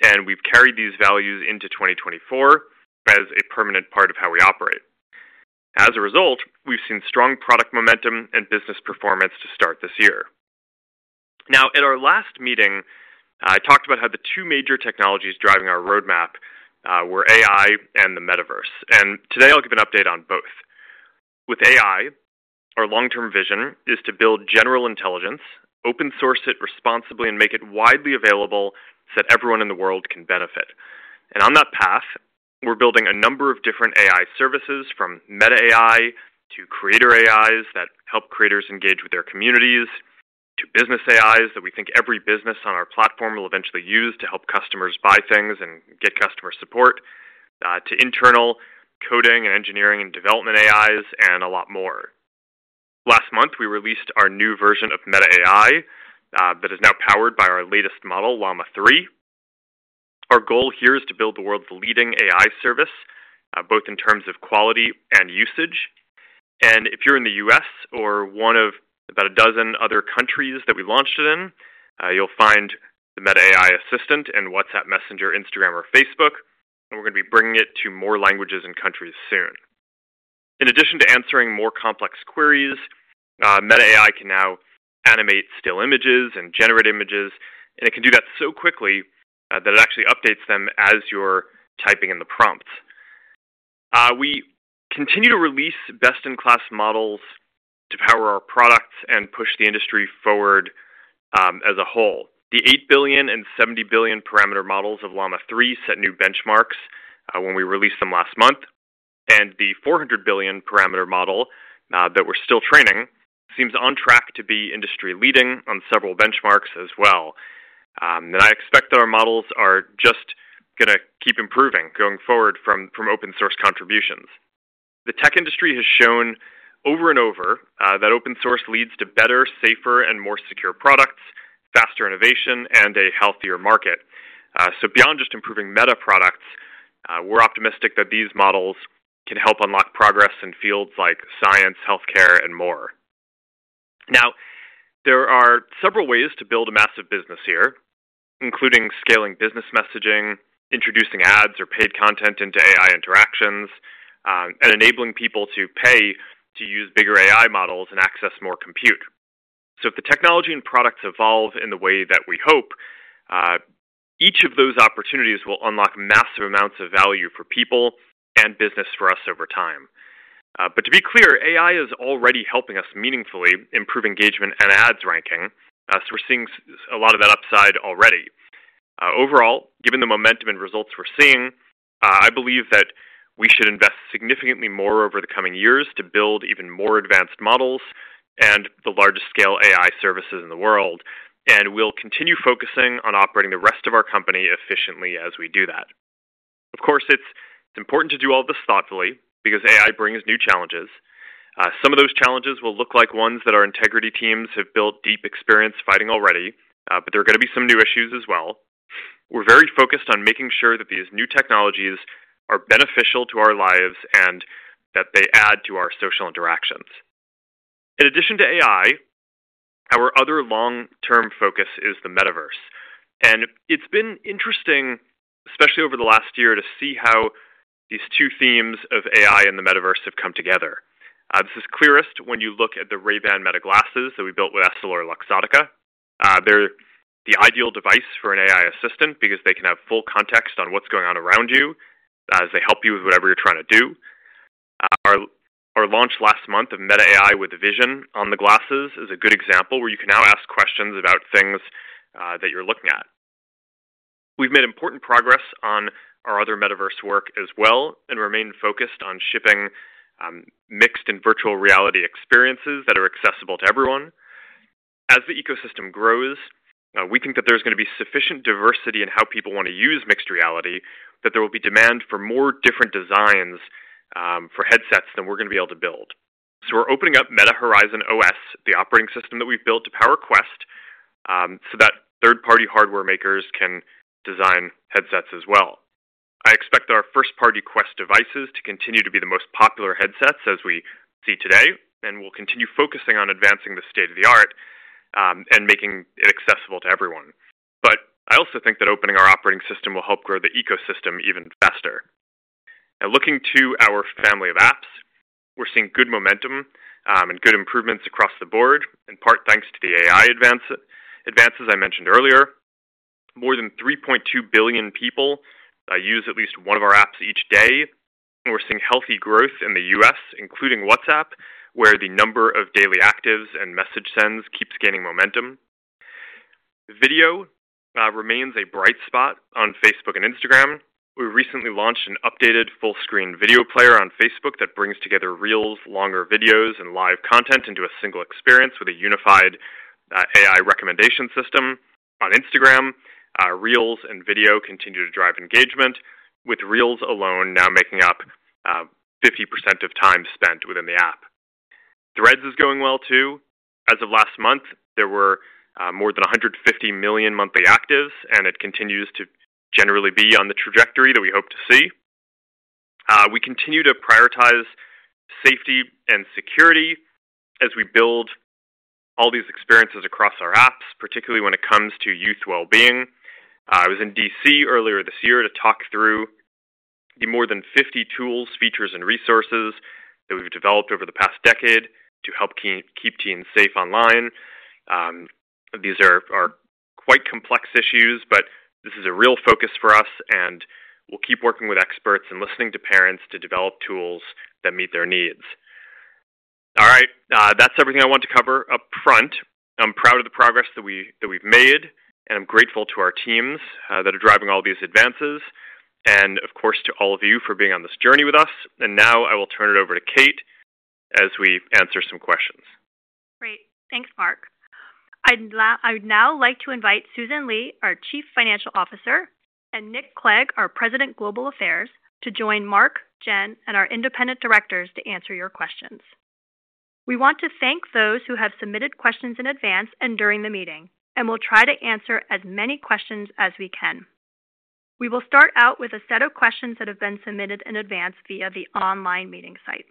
and we've carried these values into 2024 as a permanent part of how we operate. As a result, we've seen strong product momentum and business performance to start this year. Now, at our last meeting, I talked about how the two major technologies driving our roadmap were AI and the metaverse, and today I'll give an update on both. With AI, our long-term vision is to build general intelligence, open source it responsibly, and make it widely available so that everyone in the world can benefit. On that path, we're building a number of different AI services, from Meta AI to creator AIs that help creators engage with their communities, to business AIs that we think every business on our platform will eventually use to help customers buy things and get customer support, to internal coding and engineering and development AIs, and a lot more. Last month, we released our new version of Meta AI that is now powered by our latest model, Llama 3. Our goal here is to build the world's leading AI service both in terms of quality and usage. If you're in the U.S. or one of about a dozen other countries that we launched it in, you'll find the Meta AI assistant in WhatsApp, Messenger, Instagram or Facebook, and we're going to be bringing it to more languages and countries soon. In addition to answering more complex queries, Meta AI can now animate still images and generate images, and it can do that so quickly that it actually updates them as you're typing in the prompts. We continue to release best-in-class models to power our products and push the industry forward as a whole. The eight billion and 70 billion parameter models of Llama 3 set new benchmarks, when we released them last month, and the 400 billion parameter model that we're still training seems on track to be industry-leading on several benchmarks as well. I expect that our models are just going to keep improving going forward from open source contributions. The tech industry has shown over and over that open source leads to better, safer, and more secure products, faster innovation, and a healthier market. So beyond just improving Meta products, we're optimistic that these models can help unlock progress in fields like science, healthcare, and more. Now, there are several ways to build a massive business here, including scaling business messaging, introducing ads or paid content into AI interactions, and enabling people to pay to use bigger AI models and access more compute. So if the technology and products evolve in the way that we hope, each of those opportunities will unlock massive amounts of value for people and business for us over time. But to be clear, AI is already helping us meaningfully improve engagement and ads ranking. So we're seeing a lot of that upside already. Overall, given the momentum and results we're seeing, I believe that we should invest significantly more over the coming years to build even more advanced models and the largest-scale AI services in the world. And we'll continue focusing on operating the rest of our company efficiently as we do that. Of course, it's important to do all this thoughtfully because AI brings new challenges. Some of those challenges will look like ones that our integrity teams have built deep experience fighting already, but there are going to be some new issues as well. We're very focused on making sure that these new technologies are beneficial to our lives and that they add to our social interactions. In addition to AI, our other long-term focus is the metaverse, and it's been interesting, especially over the last year, to see how these two themes of AI and the metaverse have come together. This is clearest when you look at the Ray-Ban Meta glasses that we built with EssilorLuxottica. They're the ideal device for an AI assistant because they can have full context on what's going on around you as they help you with whatever you're trying to do. Our launch last month of Meta AI with Vision on the glasses is a good example where you can now ask questions about things that you're looking at. We've made important progress on our other metaverse work as well, and remain focused on shipping mixed and virtual reality experiences that are accessible to everyone. As the ecosystem grows, we think that there's going to be sufficient diversity in how people want to use mixed reality, that there will be demand for more different designs for headsets than we're going to be able to build. So we're opening up Meta Horizon OS, the operating system that we've built, to power Quest, so that third-party hardware makers can design headsets as well. I expect our first-party Quest devices to continue to be the most popular headsets, as we see today, and we'll continue focusing on advancing the state-of-the-art, and making it accessible to everyone. But I also think that opening our operating system will help grow the ecosystem even faster. Now, looking to our family of apps, we're seeing good momentum, and good improvements across the board, in part thanks to the AI advance, advances I mentioned earlier. More than 3.2 billion people use at least one of our apps each day, and we're seeing healthy growth in the U.S., including WhatsApp, where the number of daily actives and message sends keeps gaining momentum. Video remains a bright spot on Facebook and Instagram. We recently launched an updated full-screen video player on Facebook that brings together Reels, longer videos, and live content into a single experience with a unified AI recommendation system. On Instagram, Reels and video continue to drive engagement, with Reels alone now making up 50% of time spent within the app. Threads is going well, too. As of last month, there were more than 150 million monthly actives, and it continues to generally be on the trajectory that we hope to see. We continue to prioritize safety and security as we build all these experiences across our apps, particularly when it comes to youth well-being. I was in D.C. earlier this year to talk through the more than 50 tools, features, and resources that we've developed over the past decade to help keep teens safe online. These are quite complex issues, but this is a real focus for us, and we'll keep working with experts and listening to parents to develop tools that meet their needs. All right, that's everything I want to cover up front. I'm proud of the progress that we've made, and I'm grateful to our teams that are driving all these advances and of course, to all of you for being on this journey with us. Now I will turn it over to Kate as we answer some questions. Great. Thanks, Mark. I'd now like to invite Susan Li, our Chief Financial Officer, and Nick Clegg, our President, Global Affairs, to join Mark, Jen, and our independent directors to answer your questions. We want to thank those who have submitted questions in advance and during the meeting, and we'll try to answer as many questions as we can. We will start out with a set of questions that have been submitted in advance via the online meeting site.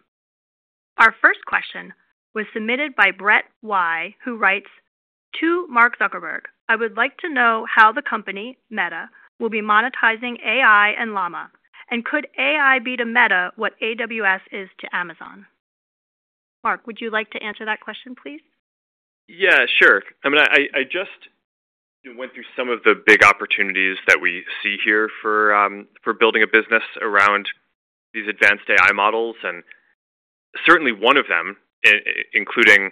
Our first question was submitted by Brett Y, who writes: "To Mark Zuckerberg, I would like to know how the company, Meta, will be monetizing AI and Llama, and could AI be to Meta what AWS is to Amazon?" Mark, would you like to answer that question, please? Yeah, sure. I mean, I just went through some of the big opportunities that we see here for building a business around these advanced AI models. And certainly one of them, including,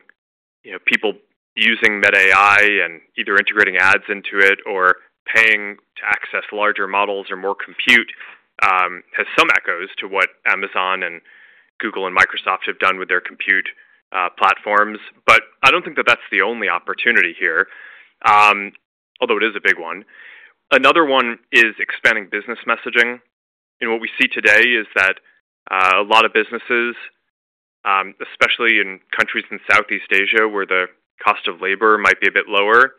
you know, people using Meta AI and either integrating ads into it or paying to access larger models or more compute, has some echoes to what Amazon and Google and Microsoft have done with their compute platforms. But I don't think that that's the only opportunity here, although it is a big one. Another one is expanding business messaging. And what we see today is that a lot of businesses, especially in countries in Southeast Asia, where the cost of labor might be a bit lower,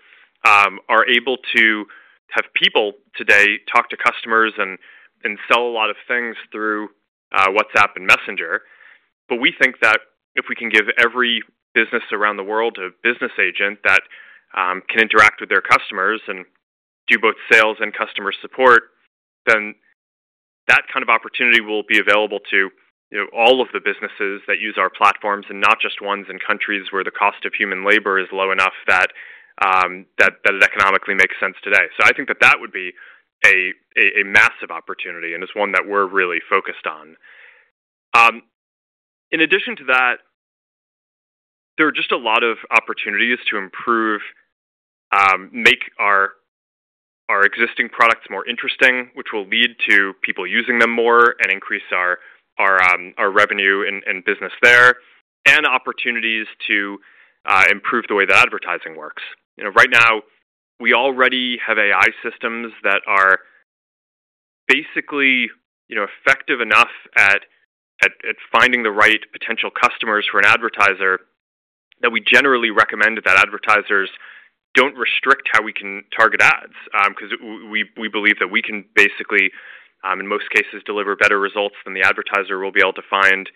are able to have people today talk to customers and sell a lot of things through WhatsApp and Messenger. But we think that if we can give every business around the world a business agent that can interact with their customers and do both sales and customer support, then that kind of opportunity will be available to, you know, all of the businesses that use our platforms, and not just ones in countries where the cost of human labor is low enough that it economically makes sense today. So I think that that would be a massive opportunity and is one that we're really focused on. In addition to that, there are just a lot of opportunities to improve make our existing products more interesting, which will lead to people using them more and increase our revenue and business there, and opportunities to improve the way that advertising works. You know, right now, we already have AI systems that are basically, you know, effective enough at finding the right potential customers for an advertiser that we generally recommend that advertisers don't restrict how we can target ads, because we believe that we can basically, in most cases, deliver better results than the advertiser will be able to find,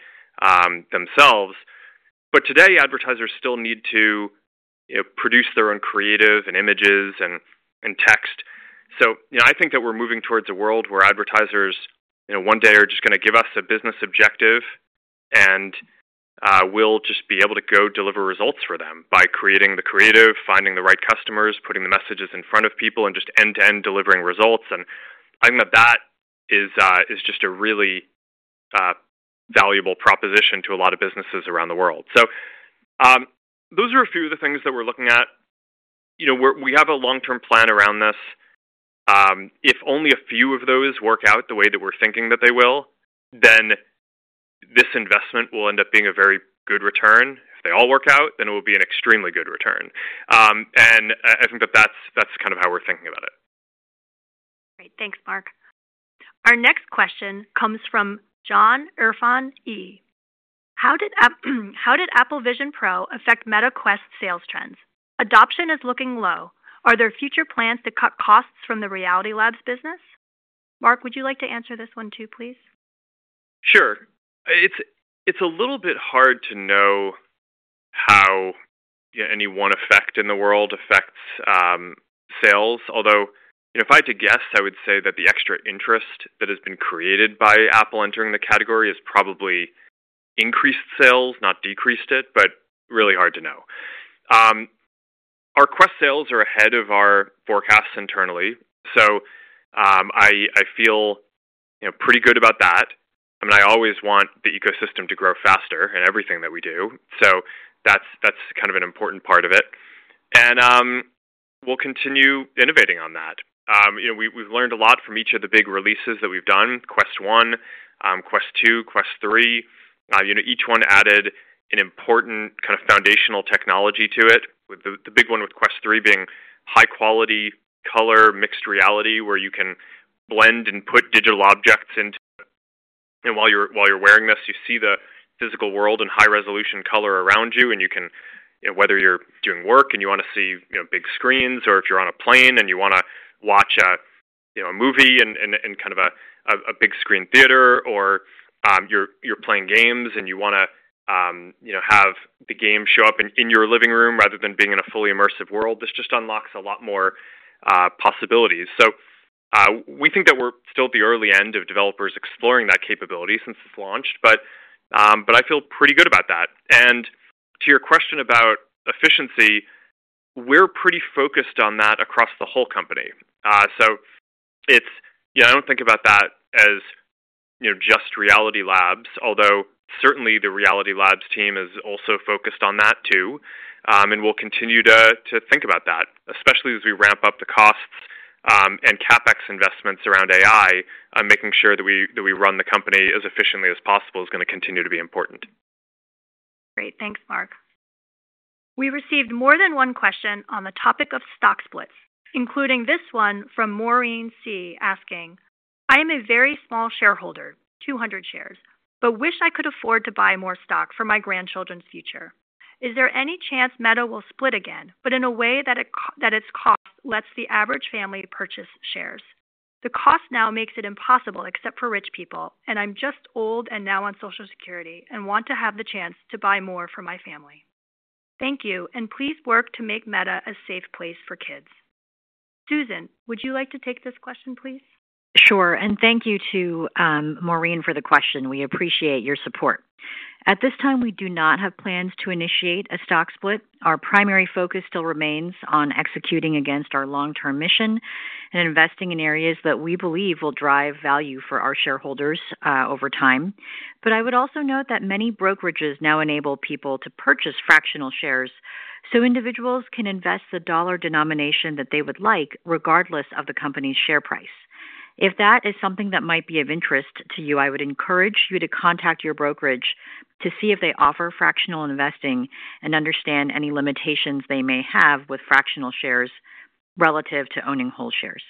themselves. But today, advertisers still need to, you know, produce their own creative and images and text. So, you know, I think that we're moving towards a world where advertisers, you know, one day are just gonna give us a business objective, and we'll just be able to go deliver results for them by creating the creative, finding the right customers, putting the messages in front of people, and just end-to-end delivering results. And I think that that is just a really valuable proposition to a lot of businesses around the world. So, those are a few of the things that we're looking at. You know, we have a long-term plan around this. If only a few of those work out the way that we're thinking that they will, then this investment will end up being a very good return. If they all work out, then it will be an extremely good return. And I think that that's kind of how we're thinking about it. Great. Thanks, Mark. Our next question comes from John Irfan E: How did Apple Vision Pro affect Meta Quest sales trends? Adoption is looking low. Are there future plans to cut costs from the Reality Labs business? Mark, would you like to answer this one, too, please? Sure. It's a little bit hard to know how any one effect in the world affects sales. Although, you know, if I had to guess, I would say that the extra interest that has been created by Apple entering the category has probably increased sales, not decreased it, but really hard to know. Our Quest sales are ahead of our forecasts internally, so I feel, you know, pretty good about that. I mean, I always want the ecosystem to grow faster in everything that we do, so that's kind of an important part of it. And we'll continue innovating on that. You know, we've learned a lot from each of the big releases that we've done, Quest 1, Quest 2, Quest 3. You know, each one added an important kind of foundational technology to it, with the big one with Quest 3 being high-quality, color, mixed reality, where you can blend and put digital objects into... And while you're wearing this, you see the physical world in high-resolution color around you, and you can, you know, whether you're doing work and you wanna see, you know, big screens, or if you're on a plane and you wanna watch a, you know, a movie in kind of a big screen theater or you're playing games and you wanna, you know, have the game show up in your living room rather than being in a fully immersive world. This just unlocks a lot more possibilities. So, we think that we're still at the early end of developers exploring that capability since it's launched, but I feel pretty good about that. And to your question about efficiency, we're pretty focused on that across the whole company. So it's... You know, I don't think about that as, you know, just Reality Labs, although certainly the Reality Labs team is also focused on that, too. And we'll continue to think about that, especially as we ramp up the costs, and CapEx investments around AI. Making sure that we run the company as efficiently as possible is gonna continue to be important. Great. Thanks, Mark. We received more than one question on the topic of stock splits, including this one from Maureen C. asking, "I am a very small shareholder, 200 shares, but wish I could afford to buy more stock for my grandchildren's future. Is there any chance Meta will split again, but in a way that its, that its cost lets the average family purchase shares? The cost now makes it impossible except for rich people, and I'm just old and now on Social Security and want to have the chance to buy more for my family. Thank you, and please work to make Meta a safe place for kids." Susan, would you like to take this question, please? Sure, and thank you to Maureen for the question. We appreciate your support. At this time, we do not have plans to initiate a stock split. Our primary focus still remains on executing against our long-term mission and investing in areas that we believe will drive value for our shareholders, over time. But I would also note that many brokerages now enable people to purchase fractional shares, so individuals can invest the dollar denomination that they would like, regardless of the company's share price. If that is something that might be of interest to you, I would encourage you to contact your brokerage to see if they offer fractional investing and understand any limitations they may have with fractional shares relative to owning whole shares.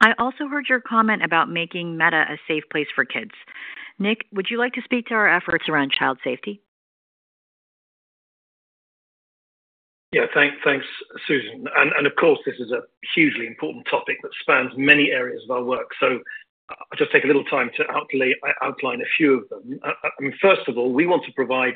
I also heard your comment about making Meta a safe place for kids. Nick, would you like to speak to our efforts around child safety? Yeah, thanks, Susan. And of course, this is a hugely important topic that spans many areas of our work. So I'll just take a little time to outline a few of them. First of all, we want to provide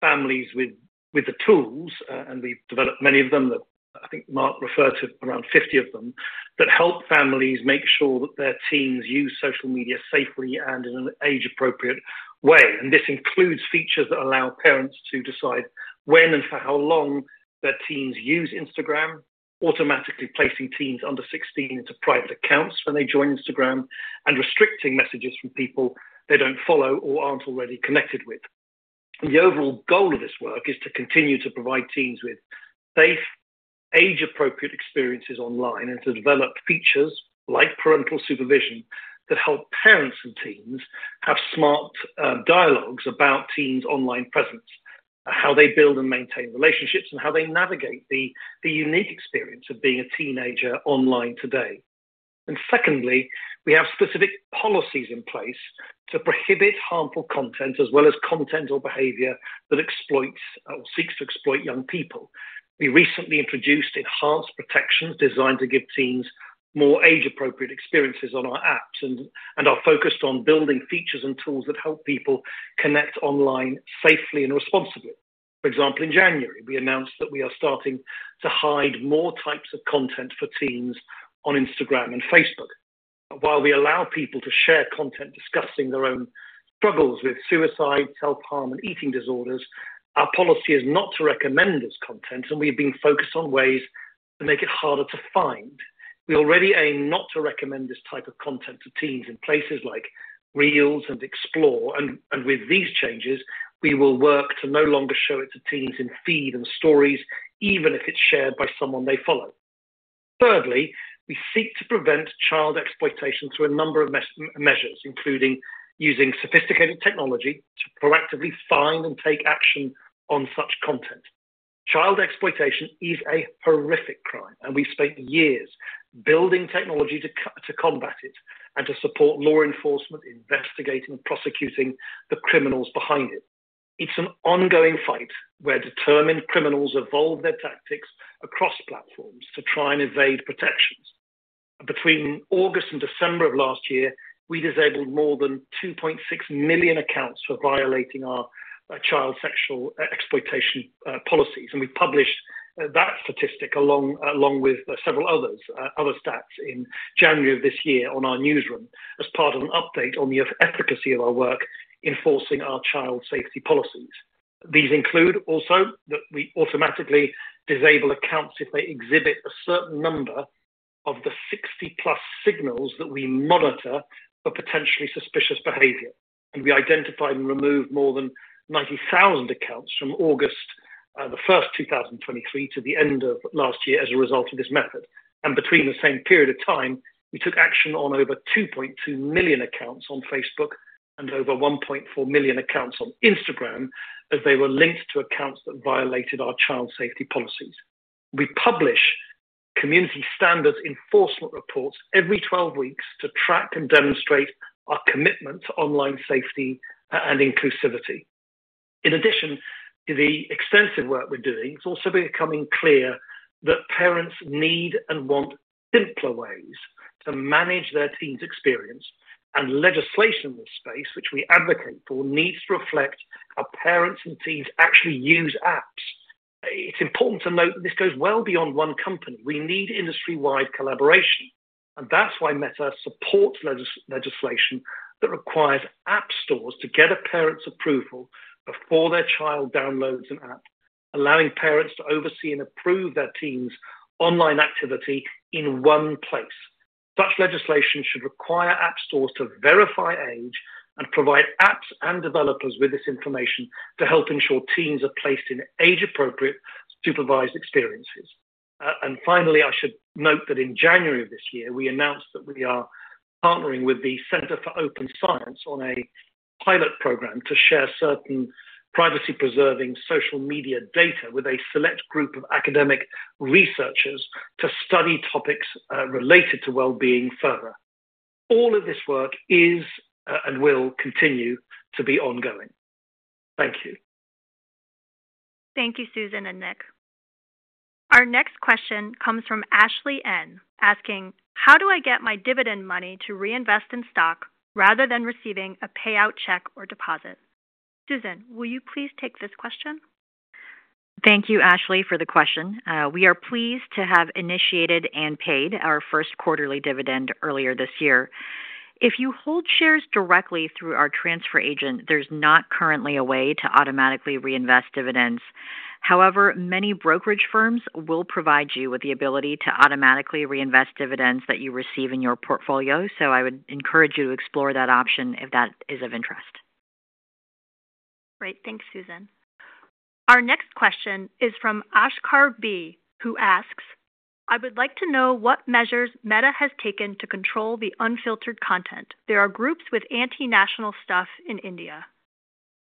families with the tools, and we've developed many of them, that I think Mark referred to around 50 of them, that help families make sure that their teens use social media safely and in an age-appropriate way. And this includes features that allow parents to decide when and for how long their teens use Instagram, automatically placing teens under 16 into private accounts when they join Instagram, and restricting messages from people they don't follow or aren't already connected with. The overall goal of this work is to continue to provide teens with safe, age-appropriate experiences online and to develop features like parental supervision that help parents and teens have smart, dialogues about teens' online presence, how they build and maintain relationships, and how they navigate the unique experience of being a teenager online today. And secondly, we have specific policies in place to prohibit harmful content, as well as content or behavior that exploits or seeks to exploit young people. We recently introduced enhanced protections designed to give teens more age-appropriate experiences on our apps and are focused on building features and tools that help people connect online safely and responsibly. For example, in January, we announced that we are starting to hide more types of content for teens on Instagram and Facebook. While we allow people to share content discussing their own struggles with suicide, self-harm, and eating disorders, our policy is not to recommend this content, and we've been focused on ways to make it harder to find. We already aim not to recommend this type of content to teens in places like Reels and Explore, and with these changes, we will work to no longer show it to teens in Feed and Stories, even if it's shared by someone they follow. Thirdly, we seek to prevent child exploitation through a number of measures, including using sophisticated technology to proactively find and take action on such content. Child exploitation is a horrific crime, and we've spent years building technology to combat it and to support law enforcement, investigating, prosecuting the criminals behind it. It's an ongoing fight where determined criminals evolve their tactics across platforms to try and evade protections. Between August and December of last year, we disabled more than 2.6 million accounts for violating our child sexual exploitation policies. We published that statistic along with several other stats in January of this year on our newsroom as part of an update on the efficacy of our work enforcing our child safety policies. These include also that we automatically disable accounts if they exhibit a certain number of the 60-plus signals that we monitor for potentially suspicious behavior. We identified and removed more than 90,000 accounts from August 1, 2023, to the end of last year as a result of this method. Between the same period of time, we took action on over 2.2 million accounts on Facebook and over 1.4 million accounts on Instagram, as they were linked to accounts that violated our child safety policies. We publish Community Standards Enforcement Reports every 12 weeks to track and demonstrate our commitment to online safety and inclusivity. In addition to the extensive work we're doing, it's also becoming clear that parents need and want simpler ways to manage their teen's experience, and legislation in this space, which we advocate for, needs to reflect how parents and teens actually use apps. It's important to note this goes well beyond one company. We need industry-wide collaboration, and that's why Meta supports legislation that requires app stores to get a parent's approval before their child downloads an app, allowing parents to oversee and approve their teen's online activity in one place. Such legislation should require app stores to verify age and provide apps and developers with this information to help ensure teens are placed in age-appropriate, supervised experiences. And finally, I should note that in January of this year, we announced that we are partnering with the Center for Open Science on a pilot program to share certain privacy-preserving social media data with a select group of academic researchers to study topics related to well-being further. All of this work is, and will continue to be ongoing. Thank you. Thank you, Susan and Nick. Our next question comes from Ashley N, asking: How do I get my dividend money to reinvest in stock rather than receiving a payout check or deposit? Susan, will you please take this question? Thank you, Ashley, for the question. We are pleased to have initiated and paid our first quarterly dividend earlier this year. If you hold shares directly through our transfer agent, there's not currently a way to automatically reinvest dividends. However, many brokerage firms will provide you with the ability to automatically reinvest dividends that you receive in your portfolio, so I would encourage you to explore that option if that is of interest. Great. Thanks, Susan. Our next question is from Ashkar B, who asks: I would like to know what measures Meta has taken to control the unfiltered content. There are groups with anti-national stuff in India.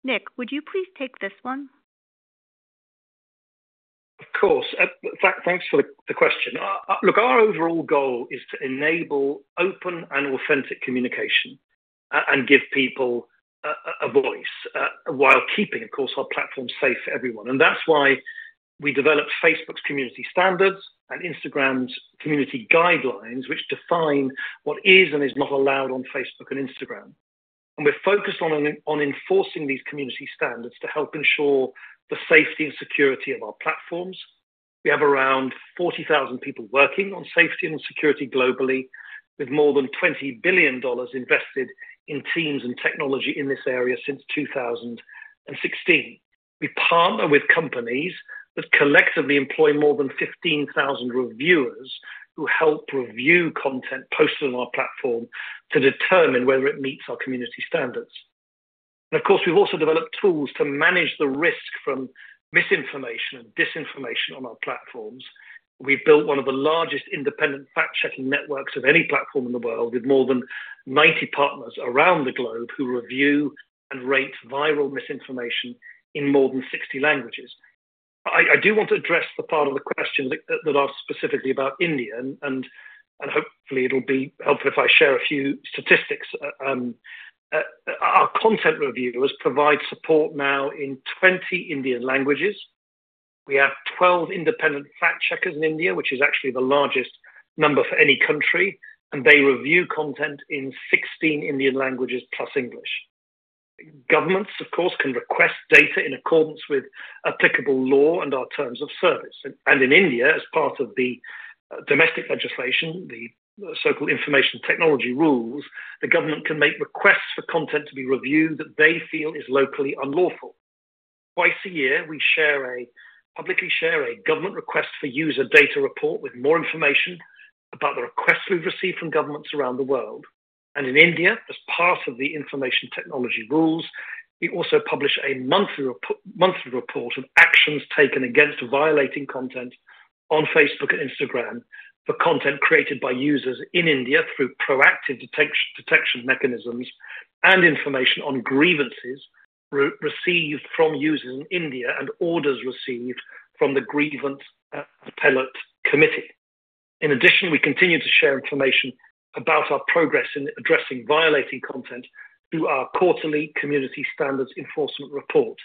Nick, would you please take this one? Of course. Thanks for the question. Look, our overall goal is to enable open and authentic communication, and give people a voice, while keeping, of course, our platform safe for everyone. And that's why we developed Facebook's Community Standards and Instagram's Community Guidelines, which define what is and is not allowed on Facebook and Instagram. And we're focused on enforcing these Community Standards to help ensure the safety and security of our platforms. We have around 40,000 people working on safety and security globally, with more than $20 billion invested in teams and technology in this area since 2016. We partner with companies that collectively employ more than 15,000 reviewers, who help review content posted on our platform to determine whether it meets our Community Standards. Of course, we've also developed tools to manage the risk from misinformation and disinformation on our platforms. We've built one of the largest independent fact-checking networks of any platform in the world, with more than 90 partners around the globe who review and rate viral misinformation in more than 60 languages. I do want to address the part of the question that asks specifically about India, and hopefully it'll be helpful if I share a few statistics. Our content reviewers provide support now in 20 Indian languages. We have 12 independent fact-checkers in India, which is actually the largest number for any country, and they review content in 16 Indian languages, plus English. Governments, of course, can request data in accordance with applicable law and our terms of service. In India, as part of the domestic legislation, the so-called Information Technology Rules, the government can make requests for content to be reviewed that they feel is locally unlawful. Twice a year, we publicly share a government request for user data report with more information about the requests we've received from governments around the world. In India, as part of the Information Technology Rules, we also publish a monthly report of actions taken against violating content on Facebook and Instagram for content created by users in India through proactive detection mechanisms and information on grievances received from users in India, and orders received from the Grievance Appellate Committee. In addition, we continue to share information about our progress in addressing violating content through our quarterly Community Standards Enforcement Report.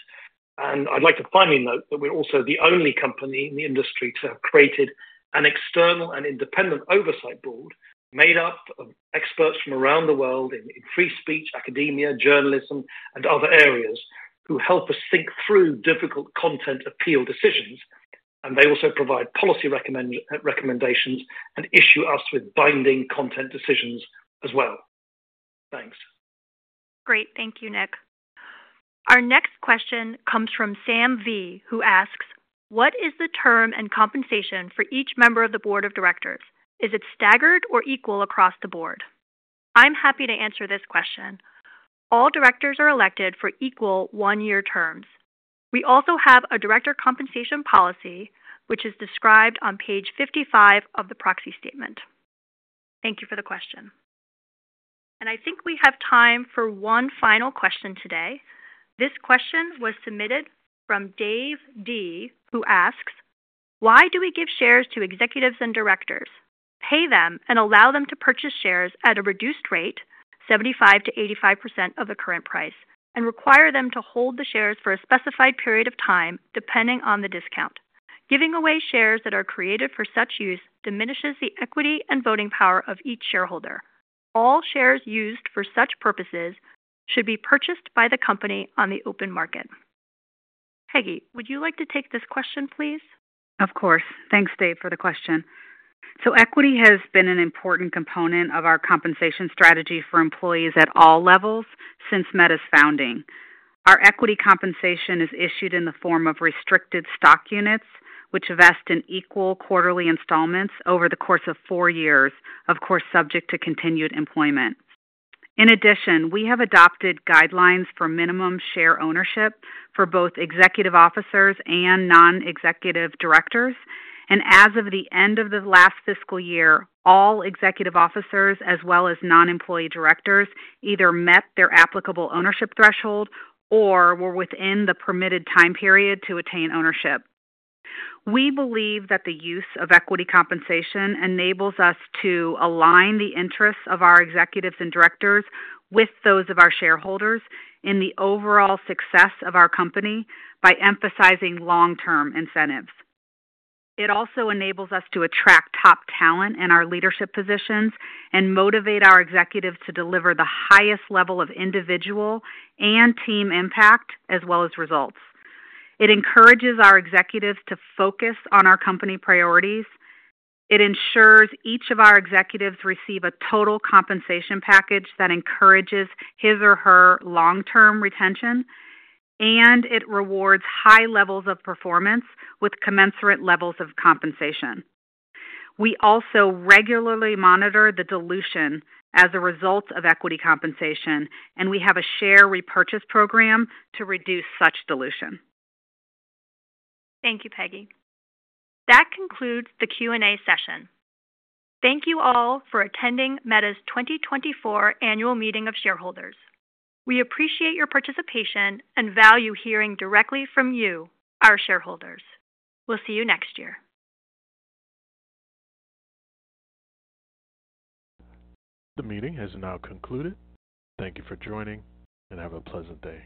I'd like to finally note that we're also the only company in the industry to have created an external and independent Oversight Board, made up of experts from around the world in free speech, academia, journalism, and other areas, who help us think through difficult content appeal decisions, and they also provide policy recommendations and issue us with binding content decisions as well. Thanks. Great. Thank you, Nick. Our next question comes from Sam V, who asks: What is the term and compensation for each member of the board of directors? Is it staggered or equal across the board? I'm happy to answer this question. All directors are elected for equal one-year terms. We also have a director compensation policy, which is described on Page 55 of the Proxy Statement. Thank you for the question. I think we have time for one final question today. This question was submitted from Dave D, who asks: Why do we give shares to executives and directors, pay them and allow them to purchase shares at a reduced rate, 75%-85% of the current price, and require them to hold the shares for a specified period of time, depending on the discount? Giving away shares that are created for such use diminishes the equity and voting power of each shareholder. All shares used for such purposes should be purchased by the company on the open market. Peggy, would you like to take this question, please? Of course. Thanks, Dave, for the question. So equity has been an important component of our compensation strategy for employees at all levels since Meta's founding. Our equity compensation is issued in the form of restricted stock units, which vest in equal quarterly installments over the course of four years, of course, subject to continued employment. In addition, we have adopted guidelines for minimum share ownership for both executive officers and non-executive directors, and as of the end of the last fiscal year, all executive officers, as well as non-employee directors, either met their applicable ownership threshold or were within the permitted time period to attain ownership. We believe that the use of equity compensation enables us to align the interests of our executives and directors with those of our shareholders in the overall success of our company by emphasizing long-term incentives. It also enables us to attract top talent in our leadership positions and motivate our executives to deliver the highest level of individual and team impact, as well as results. It encourages our executives to focus on our company priorities. It ensures each of our executives receive a total compensation package that encourages his or her long-term retention, and it rewards high levels of performance with commensurate levels of compensation. We also regularly monitor the dilution as a result of equity compensation, and we have a share repurchase program to reduce such dilution. Thank you, Peggy. That concludes the Q&A session. Thank you all for attending Meta's 2024 Annual Meeting of Shareholders. We appreciate your participation and value hearing directly from you, our shareholders. We'll see you next year. The meeting has now concluded. Thank you for joining, and have a pleasant day.